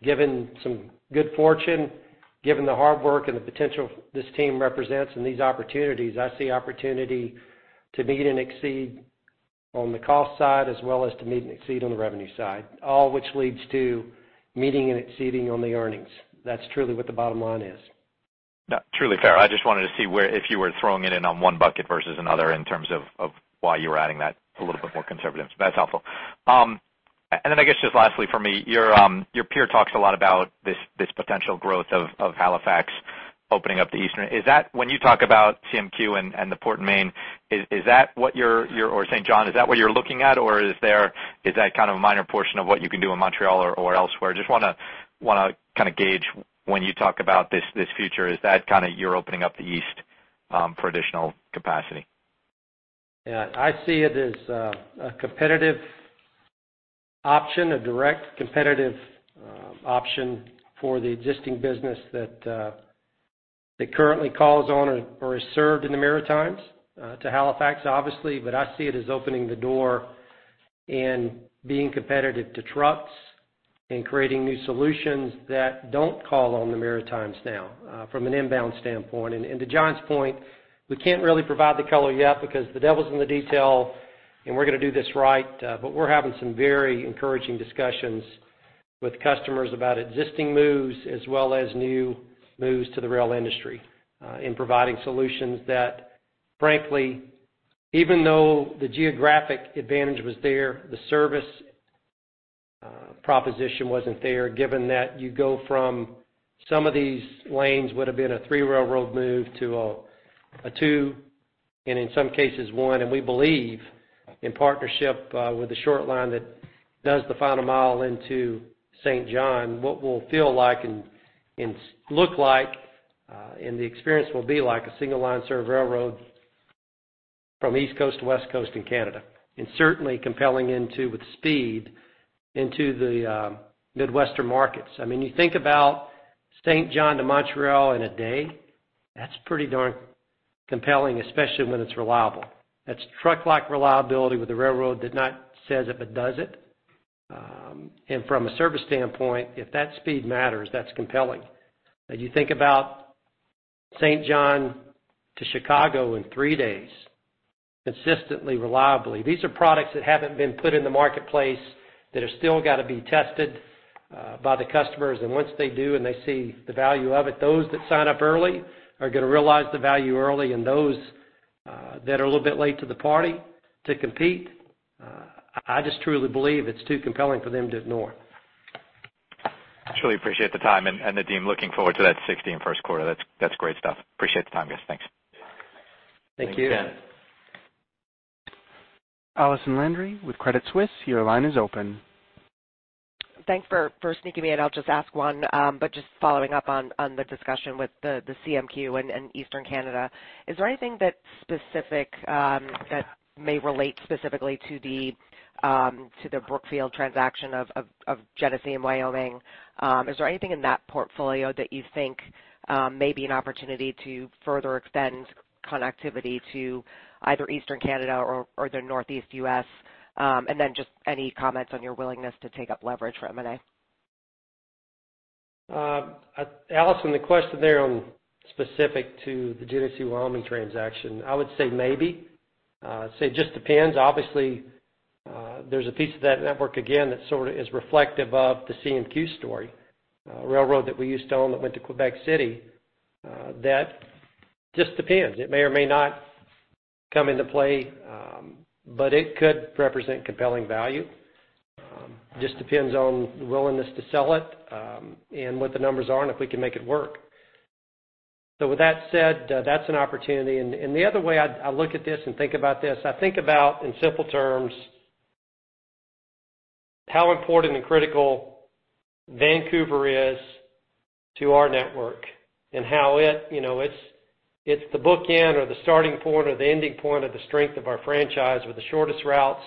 Given some good fortune, given the hard work and the potential this team represents and these opportunities, I see opportunity to meet and exceed on the cost side as well as to meet and exceed on the revenue side, all which leads to meeting and exceeding on the earnings. That's truly what the bottom line is. No, truly fair. I just wanted to see if you were throwing it in on one bucket versus another in terms of why you were adding that a little bit more conservative. That's helpful. Then I guess just lastly for me, your peer talks a lot about this potential growth of Halifax opening up the Eastern. Is that when you talk about CMQ and the Port Maine, is that what you're looking at, or Saint John? Is that kind of a minor portion of what you can do in Montreal or elsewhere? Just wanna kind of gauge when you talk about this future, is that kinda you're opening up the East for additional capacity? Yeah. I see it as a competitive option, a direct competitive option for the existing business that currently calls on or is served in the Maritimes to Halifax, obviously. I see it as opening the door and being competitive to trucks and creating new solutions that don't call on the Maritimes now from an inbound standpoint. To John's point, we can't really provide the color yet because the devil's in the detail, and we're gonna do this right. We're having some very encouraging discussions with customers about existing moves as well as new moves to the rail industry in providing solutions that frankly, even though the geographic advantage was there, the service proposition wasn't there. Given that you go from some of these lanes would have been a three railroad move to a two, and in some cases one. We believe in partnership with the short line that does the final mile into Saint John, what will feel like and look like, and the experience will be like a single-line-serve railroad from East Coast to West Coast in Canada, and certainly compelling into with speed into the Midwestern markets. I mean, you think about Saint John to Montreal in a day, that's pretty darn compelling, especially when it's reliable. That's truck-like reliability with the railroad that not says if it does it. From a service standpoint, if that speed matters, that's compelling. You think about Saint John to Chicago in three days, consistently, reliably. These are products that haven't been put in the marketplace that have still got to be tested by the customers. Once they do and they see the value of it, those that sign up early are gonna realize the value early, and those that are a little bit late to the party to compete, I just truly believe it's too compelling for them to ignore. Truly appreciate the time. Nadeem, looking forward to that 60 in first quarter. That's great stuff. Appreciate the time, guys. Thanks. Thank you. Thanks. Allison Landry with Credit Suisse, your line is open. Thanks for sneaking me in. I'll just ask one, but just following up on the discussion with the CMQ and Eastern Canada. Is there anything that specific that may relate specifically to the Brookfield transaction of Genesee & Wyoming? Is there anything in that portfolio that you think may be an opportunity to further extend connectivity to either Eastern Canada or the Northeast U.S.? And then just any comments on your willingness to take up leverage for M&A. Allison, the question there on specific to the Genesee & Wyoming transaction, I would say maybe. Say it just depends. Obviously, there's a piece of that network, again, that sort of is reflective of the CMQ story, railroad that we used to own that went to Quebec City. That just depends. It may or may not come into play, it could represent compelling value. Just depends on the willingness to sell it, and what the numbers are and if we can make it work. With that said, that's an opportunity. The other way I look at this and think about this, I think about in simple terms, how important and critical Vancouver is to our network and how it, you know, it's the bookend or the starting point or the ending point of the strength of our franchise with the shortest routes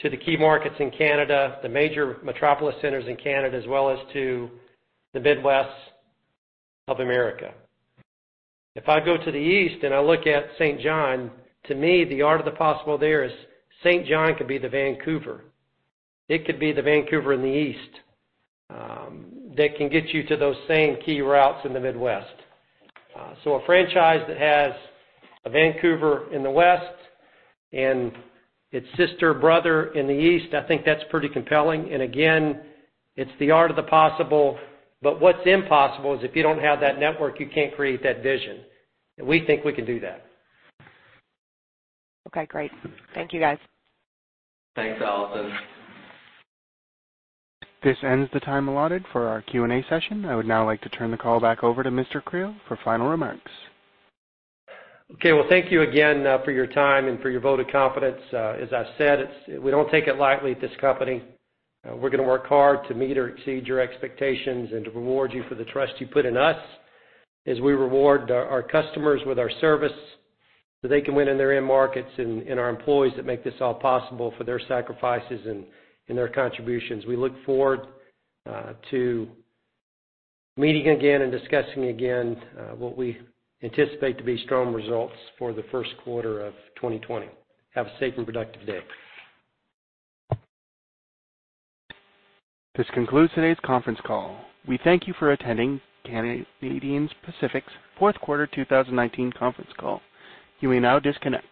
to the key markets in Canada, the major metropolis centers in Canada, as well as to the Midwest of America. If I go to the East and I look at Saint John, to me, the art of the possible there is Saint John could be the Vancouver. It could be the Vancouver in the East that can get you to those same key routes in the Midwest. A franchise that has a Vancouver in the West and its sister, brother in the East, I think that's pretty compelling. Again, it's the art of the possible. What's impossible is if you don't have that network, you can't create that vision. We think we can do that. Okay, great. Thank you, guys. Thanks, Allison. This ends the time allotted for our Q&A session. I would now like to turn the call back over to Mr. Creel for final remarks. Thank you again for your time and for your vote of confidence. As I've said, we don't take it lightly at this company. We're gonna work hard to meet or exceed your expectations and to reward you for the trust you put in us as we reward our customers with our service so they can win in their end markets and our employees that make this all possible for their sacrifices and their contributions. We look forward to meeting again and discussing again what we anticipate to be strong results for the first quarter of 2020. Have a safe and productive day. This concludes today's conference call. We thank you for attending Canadian Pacific's Fourth Quarter 2019 Conference Call. You may now disconnect.